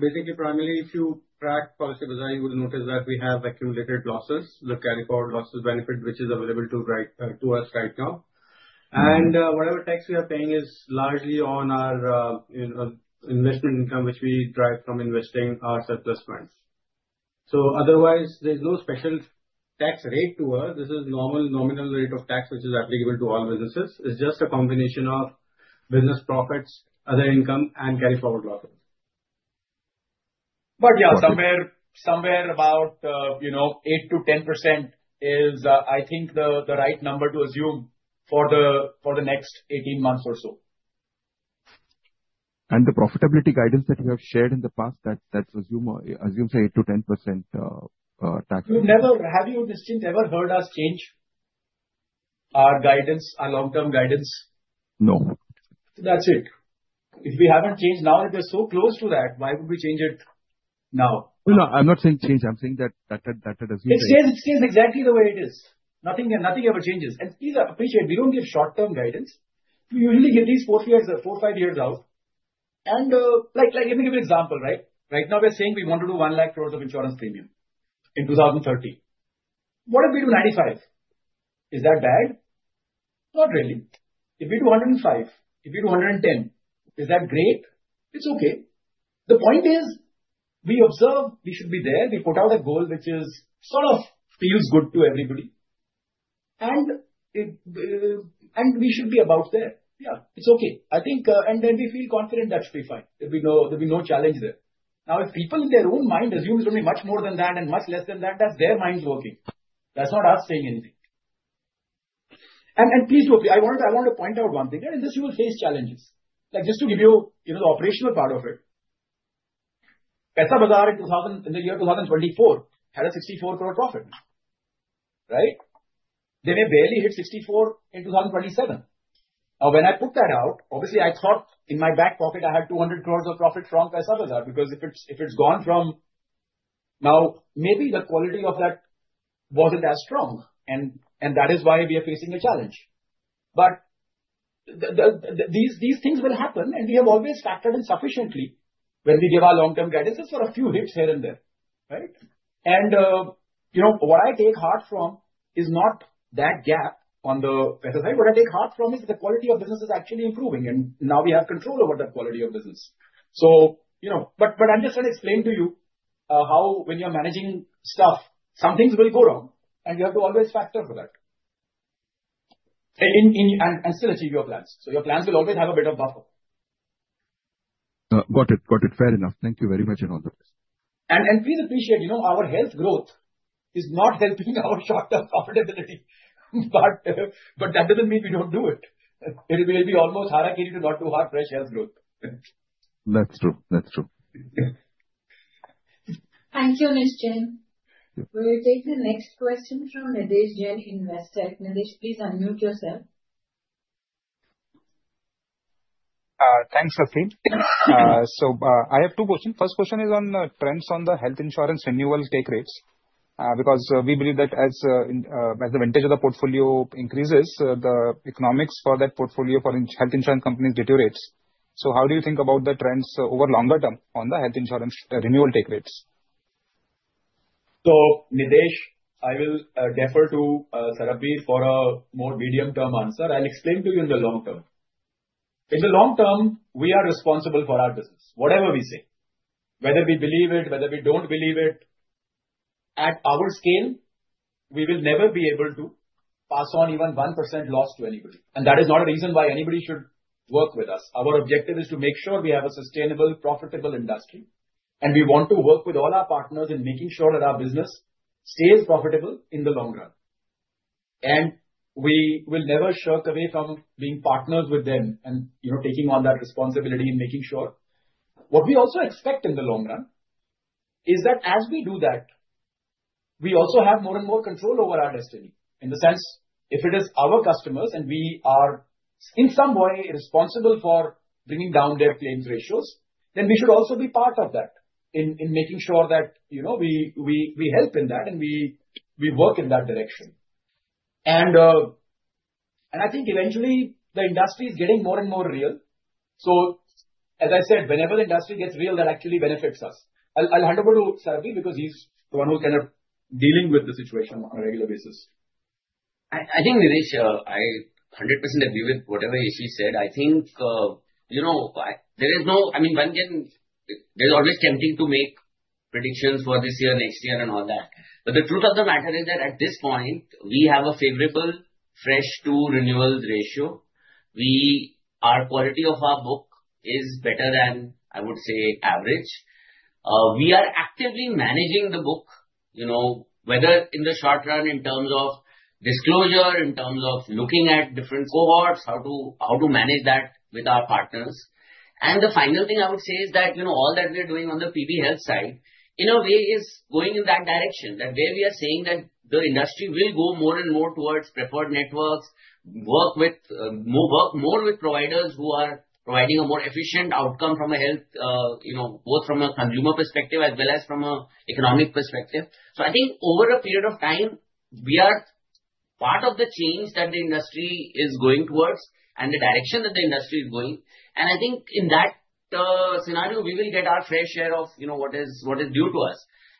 basically primarily, if you track Policybazaar, you will notice that we have accumulated losses, the carry forward losses benefit which is available to us right now. Whatever tax we are paying is largely on our investment income which we derive from investing our surplus funds. Otherwise, there's no special tax rate to us. This is normal nominal rate of tax which is applicable to all businesses. It's just a combination of business profits, other income, and carry forward losses. Somewhere about 8% to 10% is, I think, the right number to assume for the next 18 months or so. The profitability guidance that you have shared in the past, that assumes 8% to 10% tax. You never have, have you ever heard us change our guidance, our long term guidance? No, that's it. If we haven't changed now, if we're so close to that, why would we change it now? I'm not saying change. I'm saying that it stays exactly the way it is. Nothing ever changes. Please appreciate we don't give short term guidance. We usually give these four figures, four, five years out. Let me give an example. Right now we're saying we want to do 1 lakh crore of insurance premium in 2030. What if we do 95? Is that bad? Not really. If we do 105, if you do 110, is that great? It's okay. The point is we observe, we should be there. We put out a goal which sort of feels good to everybody and we should be about there. Yeah, it's okay, I think. We feel confident, that should be fine. There'll be no challenge there. Now if people in their own mind assume it's going to be much more than that and much less than that, that's their minds working. That's not us staying in sync. Please do. I want to point out one thing in this. You will face challenges, like just to give you the operational part of it, in the year 2024 had a 64 crore profit, right? They may barely hit 64 crore in 2027. Now when I put that out, obviously I thought in my back pocket I had 200 crore of profit from. Because if it's gone from now, maybe the quality of that wasn't as strong and that is why we are facing a challenge. But. These things will happen, and we have always factored in sufficiently when we give our long-term guidances for a few hits here and there. What I take heart from is not that gap on the side. What I take heart from is the quality of business is actually improving, and now we have control over the quality of business. I'm just trying to explain to you how when you're managing stuff, some things will go wrong, and you have to always factor for that. And still. Achieve your plans so your plans will always have a bit of buffer. Got it? Got it. Fair enough. Thank you very much in all the place and please appreciate, you know, our Health growth is not helping our short term profitability. That doesn't mean we don't do it. It will be almost too hard. Fresh air growth. That's true. That's true. Thank you, Nischint. We will take the next question from Nidhesh Jain, Investec. Nidhesh, please unmute yourself. Thanks, Rasleen. I have two questions. First question is on trends on the Health insurance renewal take rates because we believe that as the vintage of the portfolio increases, the economics for that portfolio for Health insurance companies deteriorates. How do you think about the trends over longer term on the Health insurance renewal take rates? Nidhesh, I will defer to Sarbvir for a more medium term answer. I'll explain to you in the long term. In the long term, we are responsible for our business. Whatever we say, whether we believe it, whether we don't believe it, at our scale, we will never be able to pass on even 1% loss to anybody. That is not a reason why anybody should work with us. Our objective is to make sure we have a sustainable, profitable industry and we want to work with all our partners in making sure that our business stays profitable in the long run. We will never shirk away from being partners with them and taking on that responsibility and making sure. What we also expect in the long run is that as we do that, we also have more and more control over our destiny in the sense if it is our customers and we are in some way responsible for bringing down their claims ratios, then we should also be part of that in making sure that we help in that and we work in that direction. I think eventually the industry is getting more and more real. As I said, whenever the industry gets real, that actually benefits us. I'll hand over to Sarbvir because he's the one who's kind of dealing with the situation on a regular basis. I think Nidhesh, I 100% agree with whatever she said. I think there is no, I mean one can, it's always tempting to make predictions for this year, next year and all that, but the truth of the matter is that at this point we have a favorable fresh to renewal ratio. The quality of our book is better than I would say average. We are actively managing the book, whether in the short run in terms of disclosure, in terms of looking at different cohorts, how to manage that with our partners. The final thing I would say is that all that we are doing on the PB Health side in a way is going in that direction where we are saying that the industry will go more and more towards preferred networks, work more with providers who are providing a more efficient outcome from a Health, both from a consumer perspective as well as from an economic perspective. I think over a period of time we are part of the change that the industry is going towards and the direction that the industry is going. I think in that scenario we will get our fair share of what is due to us.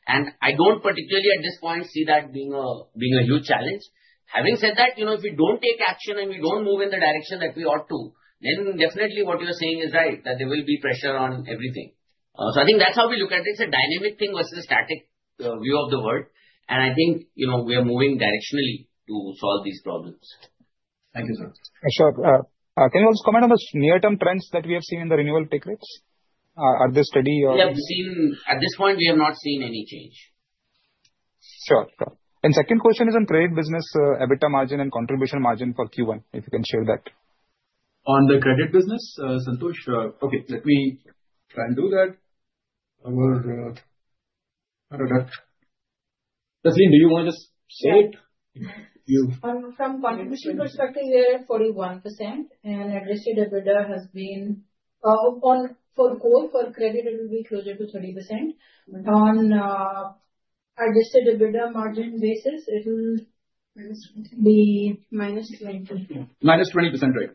I don't particularly at this point see that being a huge challenge. Having said that, if we don't take action and we don't move in the direction that we ought to, then definitely what you're saying is right, that there will be pressure on everything. I think that's how we look at it. It's a dynamic thing versus a static view of the world. I think we are moving directionally to solve these problems. Thank you, sir. Sure. Can you also comment on the near term trends that we have seen in the renewal tick rates? Are they steady at this point? We have not seen any change. Sure. The second question is on credit business EBITDA margin and contribution margin for Q1. If you can share that on the credit business. Santosh, let me try and do that. Or Rasleen do you want to just say. It from contribution perspective here? 41% and adjusted EBITDA has been on for core. For credit it will be closer to 30%. On adjusted EBITDA margin basis it will be -20%. -20%, right?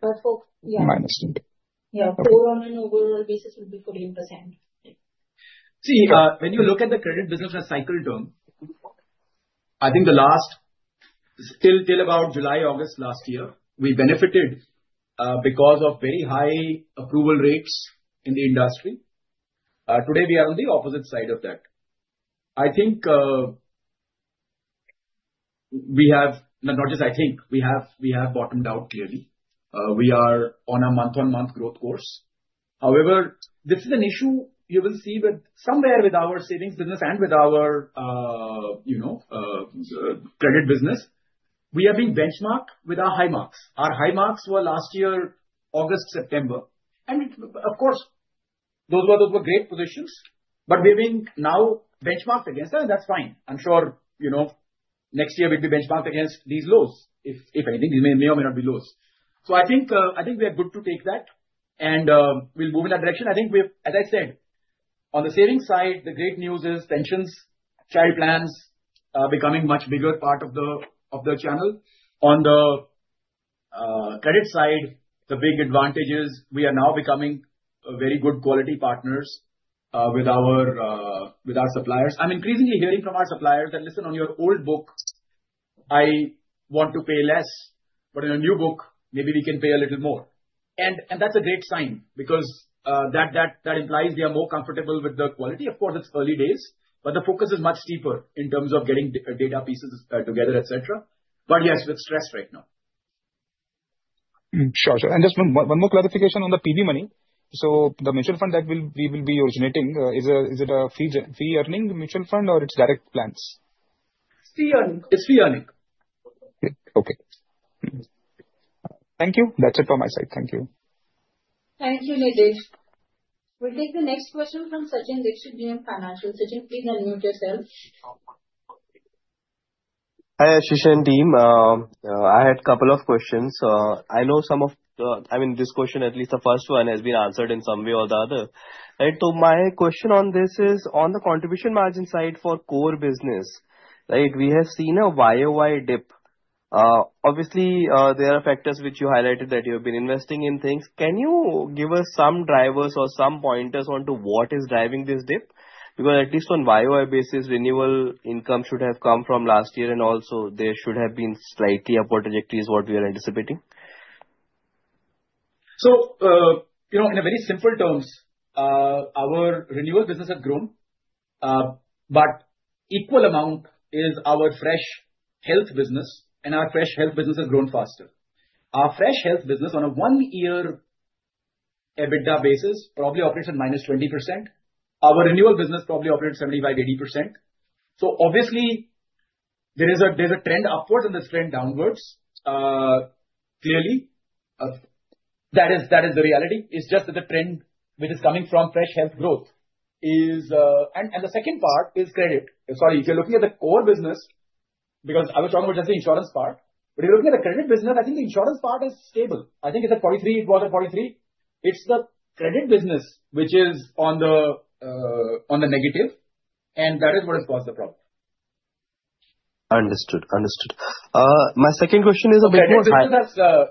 Yeah, [for] on an overall basis will be 14%. See, when you look at the credit business as cycle term, till about July, August last year we benefited because of very high approval rates in the industry. Today we are on the opposite side of that. We have bottomed out, clearly we are on a month-on-month growth course. However, this is an issue you will see somewhere with our savings business and with our credit business. We are being benchmarked with our high marks. Our high marks were last year, August, September, and of course those were great positions. We've been now benchmarked against them and that's fine. I'm sure next year we'd be benchmarked against these lows, if anything they may or may not be lows. I think we are good to take that and we'll move in that direction. As I said, on the savings side the great news is tensions, child plans becoming a much bigger part of the channel. On the credit side, the big advantage is we are now becoming very good quality partners with our suppliers. I'm increasingly hearing from our suppliers that, listen, on your old book I want to pay less but in a new book maybe we can pay a little more. That's a great sign because that implies they are more comfortable with the quality. Of course, it's early days but the focus is much steeper in terms of getting data pieces together, etc. Yes, with stress right now, sure. Just one more clarification on the PB money. So the mutual fund that we will be originating, is it a free earning mutual fund or it's direct plans? It's free earning. Okay, thank you. That's it for my side. Thank you. Thank you. Nidhesh, take the next question from Sachin Dixit, JM Financial. Sachin, please unmute yourself. Yashish and team. I had a couple of questions. I know this question, at least the first one, has been answered in some. Way or the other. Right. My question on this is on the contribution margin side for core business, right. We have seen a YoY dip. Obviously, there are factors which you highlighted that you have been investing in things. Can you give us some drivers or some pointers onto what is driving this dip? At least on a YoY basis, renewal income should have come from last year and also there should have been a slightly upward trajectory, which is what we are anticipating. In very simple terms, our renewal business has grown, but an equal amount is our fresh Health business, and our fresh Health business has grown faster. Our fresh Health business on a one-year EBITDA basis probably operates at -20%. Our renewal business probably operates at 75%-80%. Obviously, there is a trend upwards and this trend downwards. Clearly, that is the reality. It is just that the trend which is coming from fresh Health growth is. The second part is credit. Sorry, if you are looking at the core business, because I was talking about just the insurance part, but if you are looking at the credit business, I think the insurance part is stable. I think it is at 43. It was at 43. It is the credit business which is on the negative, and that is what has caused the problem. Understood, understood. My second question is a bit more time.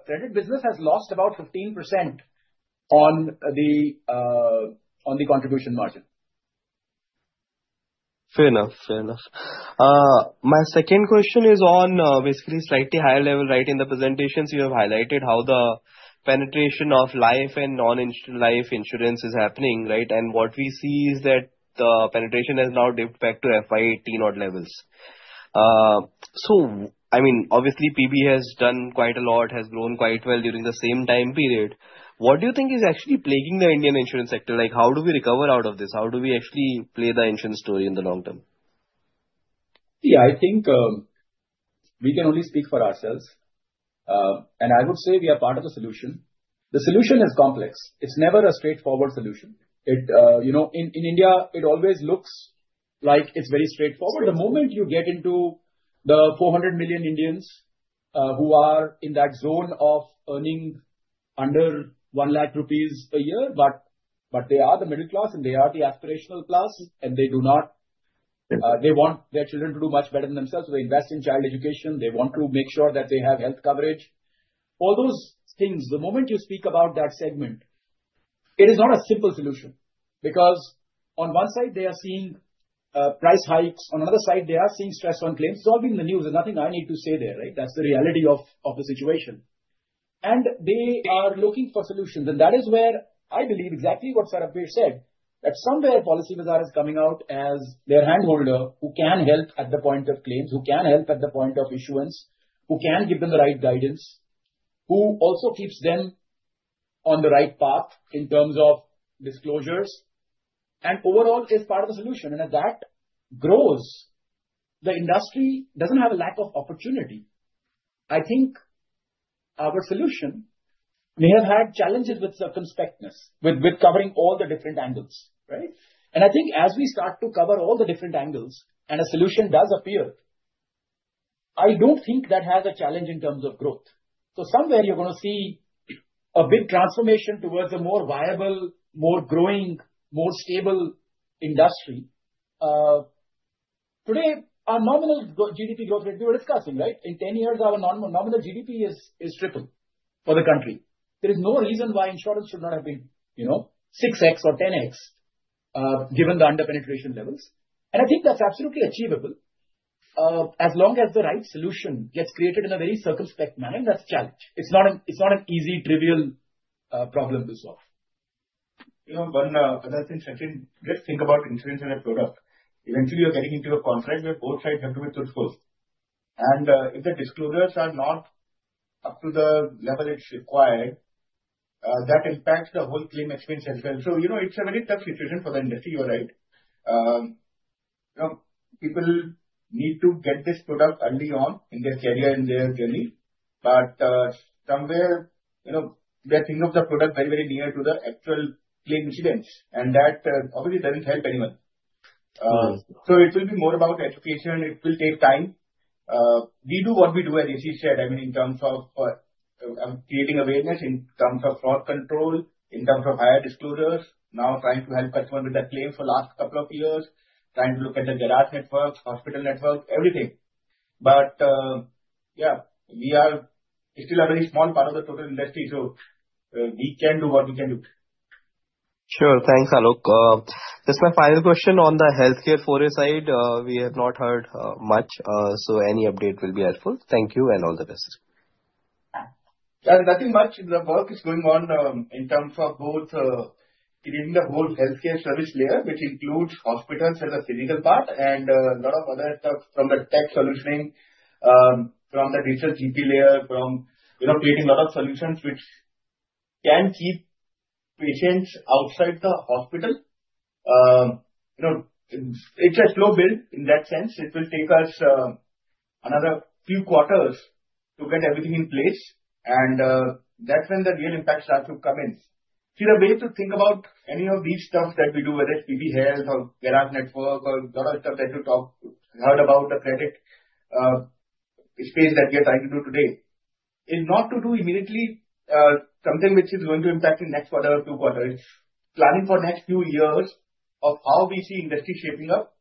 Credit business has lost about 15% on the contribution margin. Fair enough, fair enough. My second question is on basically a slightly higher level, right? In the presentations, you have highlighted how the penetration of life and non-life insurance is happening, right? What we see is that the penetration has now dipped back to FY 2018 odd levels. PB Fintech has done quite a lot, has grown quite well during the same time period. What do you think is actually plaguing the Indian insurance sector? How do we recover out of this? How do we actually play the insurance. Story in the long term? I think we can only speak for ourselves and I would say we are part of the solution. The solution is complex. It's never a straightforward solution in India. It always looks like it's very straightforward. The moment you get into the 400 million Indians who are in that zone of earning under 100,000 rupees a year, but they are the middle class and they are the aspirational class and they do not. They want their children to do much better than themselves. They invest in child education, they want to make sure that they have Health coverage, all those things. The moment you speak about that segment, it is not a simple solution because on one side they are seeing price hikes, on another side they are seeing stress on claims, solving the news. There's nothing I need to say there. That's the reality of the situation. They are looking for solutions. That is where I believe exactly what Sarbvir said, that somewhere Policybazaar is coming out as their handholder. Who can help at the point of claims? Who can help at the point of issuance? Who can give them the right guidance, who also keeps them on the right path in terms of disclosures and overall is part of the solution and a that grows the industry doesn't have a lack of opportunity. I think our solution may have had challenges with circumspectness, with covering all the different angles. As we start to cover all the different angles and a solution does appear, I don't think that has a challenge in terms of growth. Somewhere you're going to see a big transformation towards a more viable, more growing, more stable industry. Today our nominal GDP growth rate we were discussing, right. In 10 years our nominal GDP is triple for the country. There is no reason why insurance should not have been 6x or 10x given the under penetration levels. I think that's absolutely achievable as long as the right solution gets created in a very circumspect manner. That's challenge. It's not an easy trivial problem to solve. You know one other thing, just think about insurance in a product. Eventually you're getting into a contract where both sides have to be through schools and if the disclosures are not up to the level it's required, that impacts the whole claim experience as well. It's a very tough situation for the industry. You're right, people need to get this product early on in their career, in their journey, but somewhere, you know, they think of the product very, very near to the actual claim incidents, and that obviously doesn't help anyone. It will be more about education. It will take time. We do what we do, as he said, in terms of creating awareness, in terms of fraud control, in terms of higher disclosures, now trying to help customer with the claim for last couple of years, trying to look at the garage network, hospital network, everything. We are still a very small part of the total industry. We can do what we can do. Sure. Thanks, Alok. This is my final question on the Healthcare Fourier side. We have not heard much, so any update will be helpful. Thank you and all the best. Nothing much. The work is going on in terms of both creating the whole Healthcare service layer, which includes hospitals as a physical part and a lot of other stuff from the tech solutioning, from the research GP layer, from creating a lot of solutions which can keep patients outside the hospital. It's a slow build in that sense. It will take us another few quarters to get everything in place, and that's when the real impact starts to come in. See, the way to think about any of these stuff that we do, whether it's PB Health or Garage network or a lot of stuff that you heard about the credit space that we are trying to do today, is not to do immediately something which is going to impact in next quarter or two quarters, but planning for next few years of how we see industry shaping up,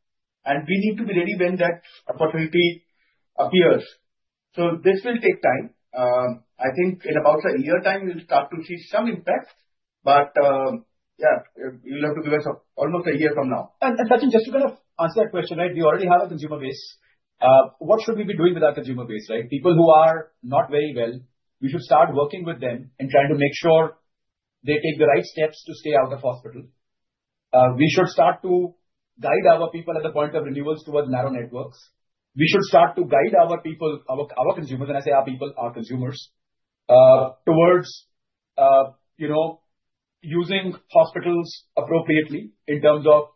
and we need to be ready when that opportunity appears. This will take time. I think in about a year time we'll start to see some impact. You'll have to give us almost a year from now. Sachin, just to kind of answer that question, we already have a consumer base. What should we be doing with our consumer base? People who are not very well, we should start working with them and trying to make sure they take the right steps to stay out of hospital. We should start to guide our people at the point of renewals towards narrow networks. We should start to guide our people, our consumers, and I say our people, our consumers, towards using hospitals appropriately in terms of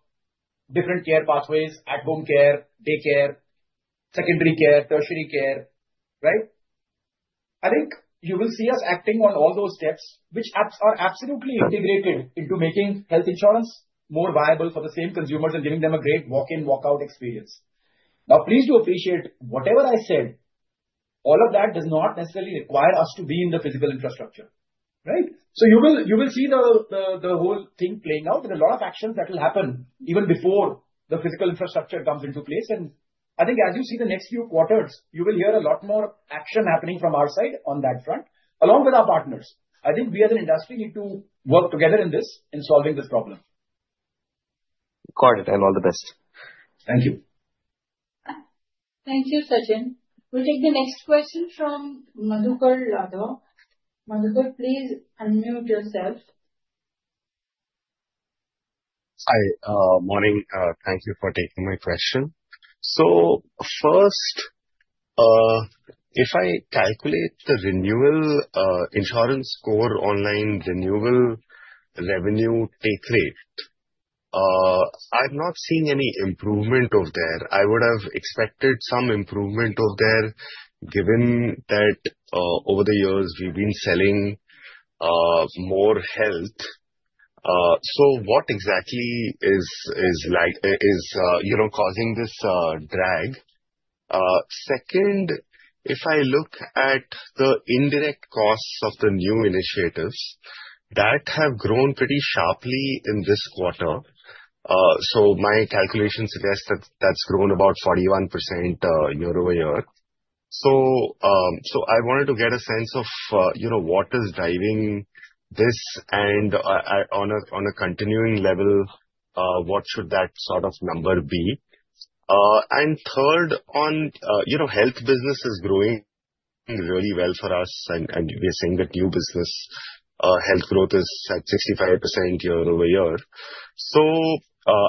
different care pathways at home care, daycare, secondary care, tertiary care. I think you will see us acting on all those steps which are absolutely integrated into making Health insurance more viable for the same consumers and giving them a great walk-in walkout experience. Please do appreciate whatever I said, all of that does not necessarily require us to be in the physical infrastructure. You will see the whole thing playing out and a lot of actions that will happen even before the physical infrastructure comes into place. I think as you see the next few quarters, you will hear a lot more action happening from our side on that front along with our partners. I think we as an industry need to work together in this, in solving this problem. Got it. All the best. Thank you. Thank you, Sachin. We'll take the next question from Madhukar Ladha. Madhukar, please unmute yourself. Hi. Morning. Thank you for taking my question. If I calculate the renewal. Insurance score, online renewal revenue take rate, I'm not seeing any improvement there. I would have expected some improvement over there given that over the years we've been selling more Health. What exactly is. Causing this drag? Second, if I look at the indirect. Cost of the new initiatives that have grown pretty sharply in this quarter. My calculation suggests that that's grown about 41% year-over-year. I wanted to get a sense of what is driving this. On a continuing level, what should that sort of number be? Third, on Health business. Is growing really well for us, and we're seeing that new business Health growth is at 65% year-over-year.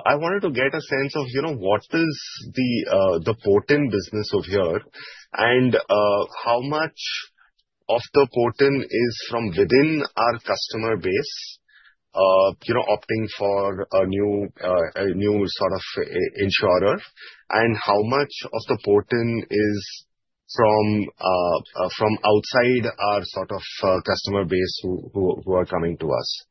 I wanted to get a sense of, you know, what is the port. In business over here, how much of the portion is from within our customer base, you know, opting for a new sort of insurer, and how much of the portion is from outside our. Sort of customer base who are coming to us.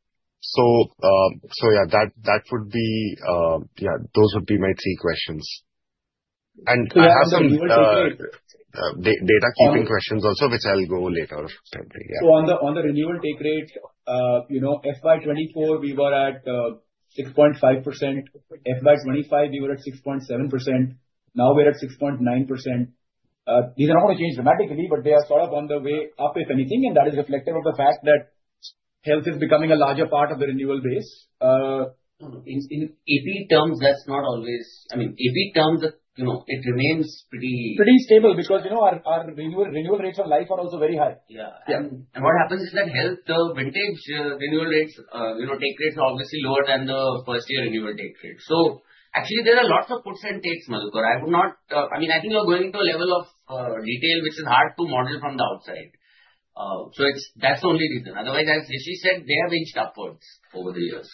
That would be my three questions. I have some data keeping questions also, which I'll go later. On the renewal take rate, FY 2024, we were at 6.5%. FY 20225, we were at 6.7%. Now we're at 6.9%. These are not going to change dramatically, but they are sort of on the way up if anything. That is reflective of the fact that Health is becoming a larger part of the renewal base. In APE terms, that's not always—I mean, APE terms, you know, it remains pretty stable. Because you know, our renewal rates on life are also very high. Yeah. What happens is that Health vintage renewal rates, you know, take rates are obviously lower than the first year renewal take rate. There are lots of puts and takes. I would not, I mean, I think you're going to a level of detail which is hard to model from the outside. That's the only reason. Otherwise, as Yashish said, they have inched. Upwards over the years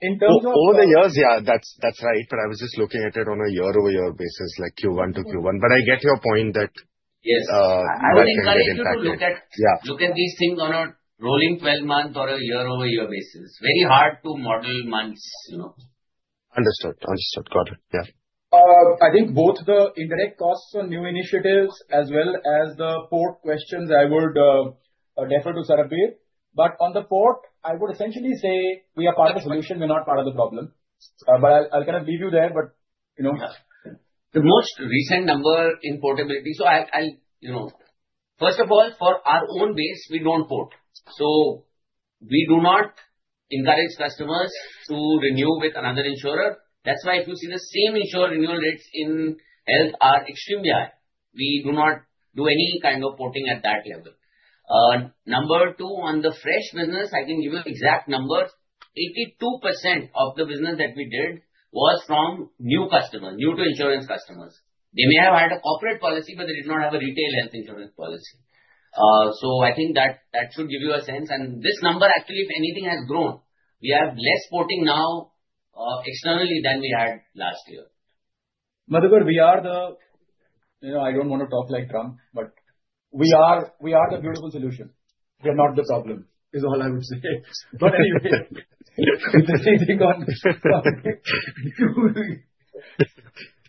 in terms of over the years. Yeah, that's right. I was just looking at it. On a year over year basis like Q1 to Q1. I get your point that yes, look at these things on a rolling 12 month or a year-over-year basis is very hard to model months, you know. Understood, understood. Got it. Yeah. I think both the indirect costs on new initiatives as well as the port questions, I would defer to Sarbvir, but on the port I would essentially say we are part of the solution, we're not part of the problem. I'll kind of leave you there. The most recent number in portability, for our own base, we do not portray. We do not encourage customers to renew with another insurer. That's why if you see the same insurer, renewal rates in Health are extremely high. We do not do any kind of porting at that level. On the fresh business, I can give you exact numbers. 82% of the business that we did was from new customers, new to insurance customers. They may have had a corporate policy. They did not have a retail Health insurance policy. I think that should give you a sense. This number actually, if anything, has grown. We have less voting now externally than we had last year. Madhukar, we are the, you know, I don't want to talk like Trump, we are the beautiful solution. We're not the problem is all I would say. Anyway.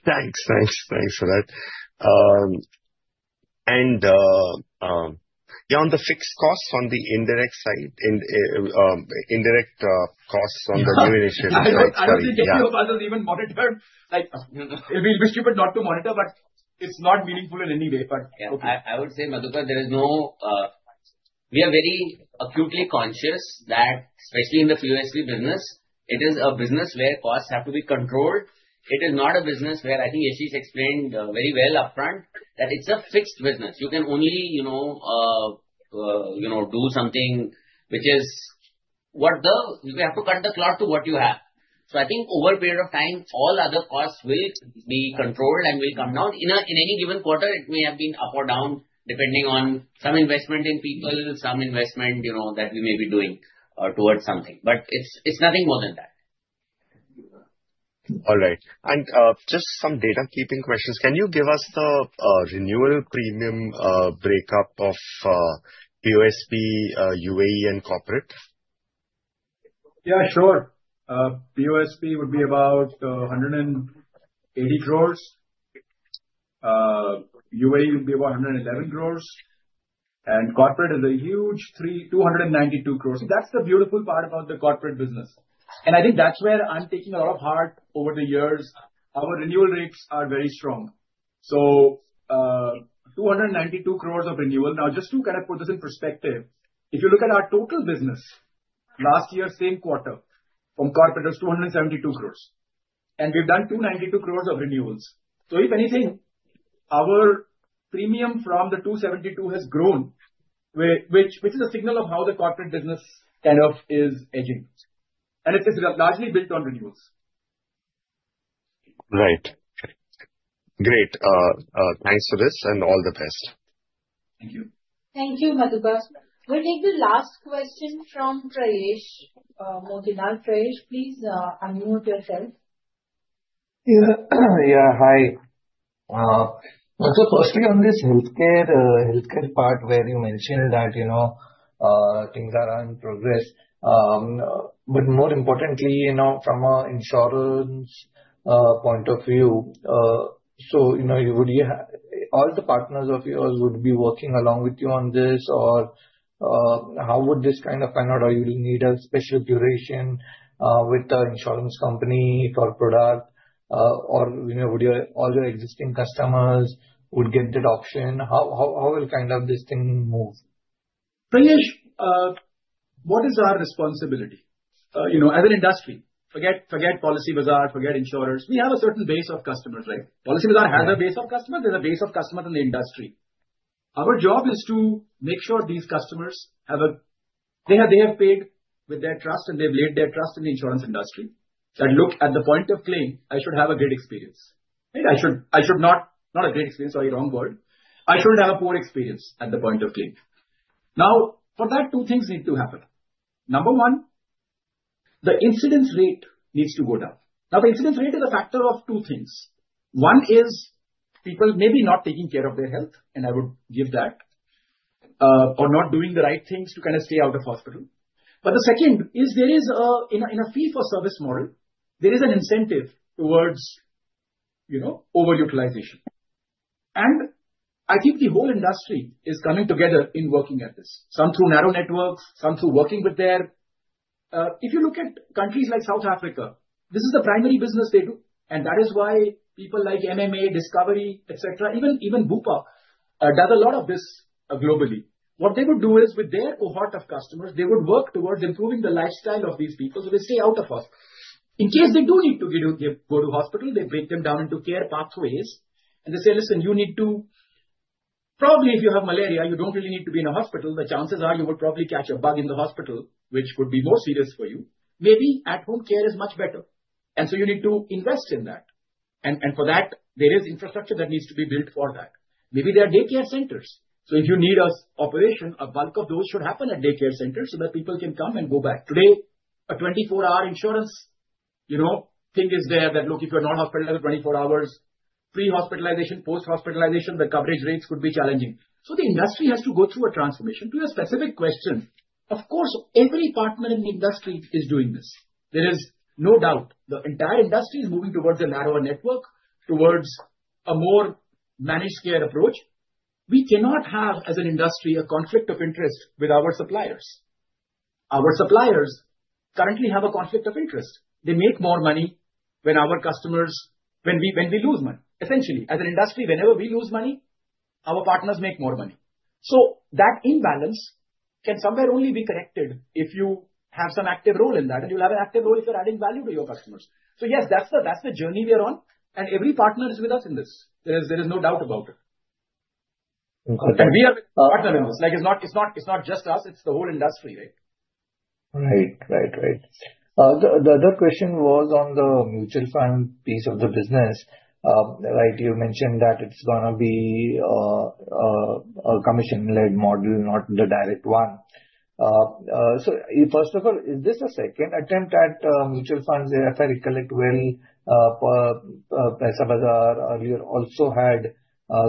Thanks for that. On the fixed costs, on. The indirect side, indirect costs on the. New initiatives are even monitored, like it'd be stupid not to monitor, but it's not meaningful in any way. I would say, Madhukar, we are very acutely conscious that especially in the few POSP business, it is a business where costs have to be controlled. It is not a business where I think Yashish explained very well upfront that it's a fixed business. You can only do something which is you have to cut the cloth to what you have. I think over a period of time all other costs will be controlled and will come down in any given quarter. It may have been up or down depending on some investment in people, some investment that we may be doing towards something, but it's nothing more than that. All right. Just some data keeping questions. Can you give us the renewal premium breakup of POSP, UAE, and corporate? Yeah, sure. POSP would be about 180 crore, UAE would be 111 crore, and corporate is a huge 292 crore. That's the beautiful part about the corporate business, and I think that's where I'm taking a lot of heart over the years. Our renewal rates are very strong. 292 crore of renewal. Now, just to kind of put this in perspective, if you look at our total business last year, same quarter from corporate was 272 crore, and we've done 292 crore of renewals. If anything, our premium from the 272 has grown, which is a signal of how the corporate business kind of is edging, and it's largely built on renewals. Right, great. Thanks for this and all the best. Thank you. Thank you, Madhukar. We'll take the last question Prayesh Motilal. Prayesh Please unmute. Yeah, yeah. Hi. Firstly, on this Healthcare part where you mentioned that things are in progress, but more importantly, from an insurance point of view, all the partners of yours would be working along with you on this or how would this kind of pan out? Or do you need a special duration with the insurance company for product, or all your existing customers would get that option? How will this thing move? Prayesh, what is our responsibility as an industry? Forget Policybazaar, forget insurers. We have a certain base of customers, right? Policybazaar has a base of customers. There's a base of customers in the industry. Our job is to make sure these customers have a—they have paid with their trust and they've laid their trust in the insurance industry that at the point of claim, I should have a great experience. I should not—not a great experience, sorry, wrong word. I shouldn't have a poor experience at the point of claim. For that, two things need to happen. Number one, the incidence rate needs to go down. The incidence rate is a factor of two things. One is people maybe not taking care of their Health, and I would give that, or not doing the right things to kind of. Stay out of hospital. The second is there is in. A fee for service model, there is an incentive towards overutilization. I think the whole industry is coming together in working at this, some through narrow networks, some through working with their. If you look at countries like South Africa, this is the primary business they do. That is why people like MMA Discovery, etc., even Bupa does a lot of this globally. What they would do is, with their cohort of customers, they would work towards improving the lifestyle of these people so they stay out of hospital. In case they do need to go to hospital, they break them down into care pathways and they say, listen, you need to probably, if you have malaria, you don't really need to be in a hospital. The chances are you would probably catch a bug in the hospital which would be more serious for you. Maybe at-home care is much better, and you need to invest in that. For that, there is infrastructure that needs to be built. Maybe there are daycare centers, so if you need an operation, a bulk of those should happen at daycare centers so that people can come and go back today. A 24-hour insurance thing is there that, look, if you're not hospitalized 24 hours, pre-hospitalization, post-hospitalization, the coverage rates could be challenging. The industry has to go through a transformation. To your specific questions, of course every partner in the industry is doing this. There is no doubt the entire industry is moving towards a narrower network, towards a more managed care approach. We cannot have as an industry a conflict of interest with our suppliers. Our suppliers currently have a conflict of interest. They make more money when our customers, when we lose money. Essentially, as an industry, whenever we lose money, our partners make more money. That imbalance can somewhere only be corrected if you have some active role in that, and you'll have an active role if you're adding value to your customers. Yes, that's the journey we are on, and every partner is with us in this. There is no doubt about it. It's not just us, it's the whole industry. The other question was on the mutual fund piece of the business. You mentioned that it's going to be a commission-led model, not the direct one. First of all, is this a second attempt at mutual funds, if I. Recollect well. Earlier also had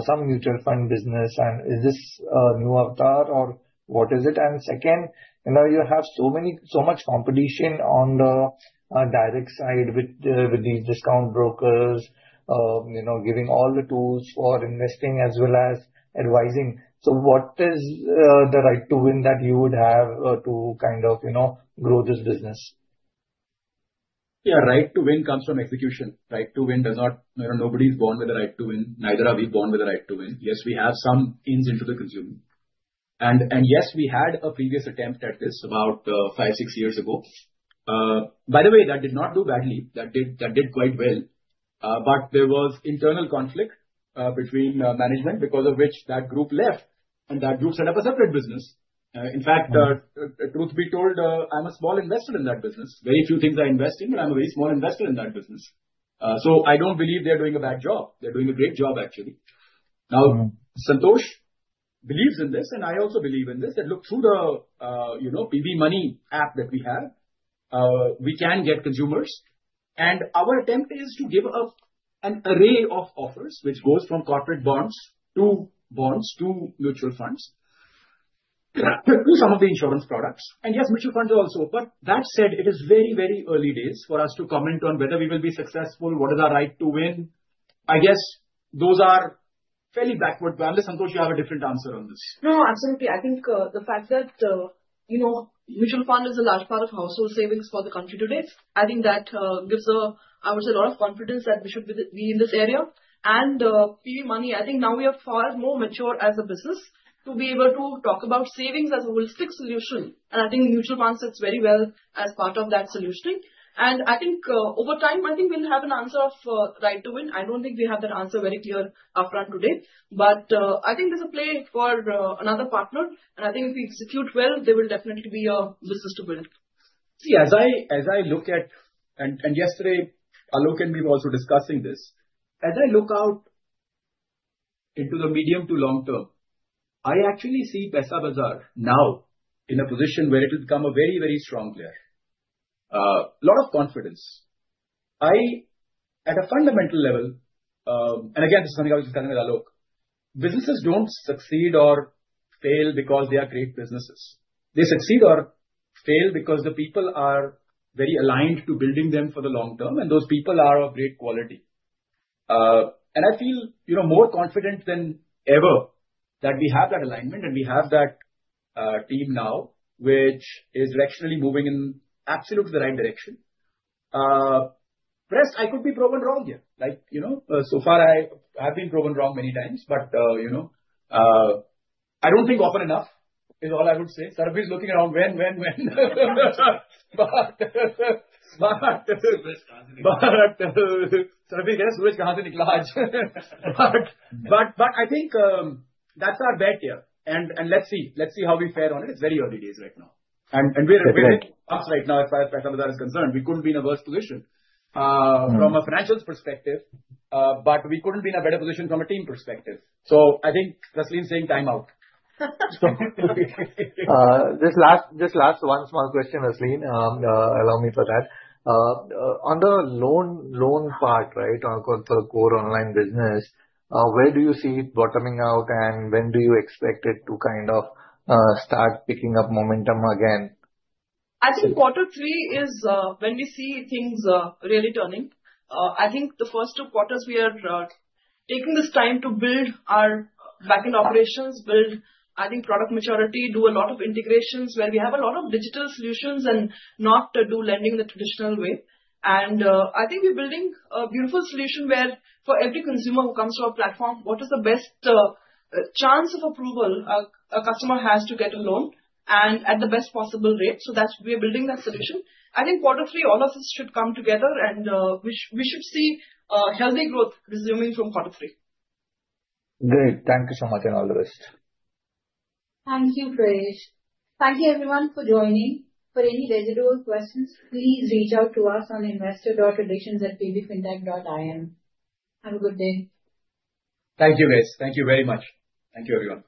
some mutual fund business. Is this new avatar or what is it? You have so much competition on the direct side with these discount brokers giving all the tools for investing as well as advising. What is the right to win that you would have to kind of grow this business? Yeah, right. To win comes from execution. Right to win does not. Nobody is born with the right to win. Neither are we born with the right to win. Yes, we have some ins into the consumer and yes, we had a previous attempt at this about five, six years ago, by the way, that did not do badly, that did quite well. There was internal conflict between management because of which that group left and that group set up a separate business. In fact, truth be told, I'm a small investor in that business. Very few things I invest in, but I'm a very small investor in that business. I don't believe they're doing a bad job. They're doing a great job actually. Now Santosh believes in this and I also believe in this that look through the, you know, PB Money app that we have, we can get consumers and our attempt is to give up an array of offers which goes from corporate bonds to bonds to mutual funds to some of the insurance products and yes, mutual funds also. That said, it is very, very early days for us to comment on whether we will be successful. What is our right to win? I guess those are fairly backward. Unless Santosh You have a different answer on. No, absolutely. I think the fact that mutual fund is a large part of household savings for the country today gives, I would say, a lot of confidence that we should be in this area. PB money, I think now we are far more mature as a business to be able to talk about savings as a holistic solution. I think mutual fund sits very well as part of that solution. Over time, I think we'll have an answer of right to win. I don't think we have that answer very clear up front today, but I think there's a play for another partner and if we execute well there will definitely be a business to build. See, as I look at and yesterday Alok and me were also discussing this. As I look out into the medium to long term, I actually see Paisabazaar now in a position where it will become a very, very strong player. A lot of confidence I at a fundamental level and again this is something which is businesses don't succeed or fail because they are great businesses. They succeed or fail because the people are very aligned to building them for the long term and those people are of great quality. I feel more confident than ever that we have that alignment and we have that team now which is directionally moving in absolutely the right direction. Rest I could be proven wrong here, like you know so far I have been proven wrong many times, but you know, I don't think often enough is all I would say. Sarbvir is looking around when I think that's our bet here and let's see, let's see how we fare on it. It's very early days right now and we're right now as far as concerned. We couldn't be in a worse position from a financials perspective, but we couldn't be in a better position from a team perspective. I think Rasleen is saying timeout, this last one small question. Rasleen, allow me for that on the loan part, right. For a core online business, where do you see it bottoming out and when do you expect it to kind of start picking up momentum again? I think quarter three is when we see things really turning. I think the first two quarters we are taking this time to build our back-end operations, build product maturity, do a lot of integrations where we have a lot of digital solutions and not do lending the traditional way. I think we're building a beautiful solution where for every consumer who comes to our platform, what is the best chance of approval a customer has to get a loan and at the best possible rate. We're building that solution. I think quarter three, all of this should come together and we should see Healthy growth resuming from quarter three. Great, thank you so much and all the rest. Thank you, Prayesh. Thank you, everyone, for joining. For any residual questions, please reach out to us on investor.relations@pbfintech.in. Have a good day. Thank you, guys. Thank you very much. Thank you, everyone.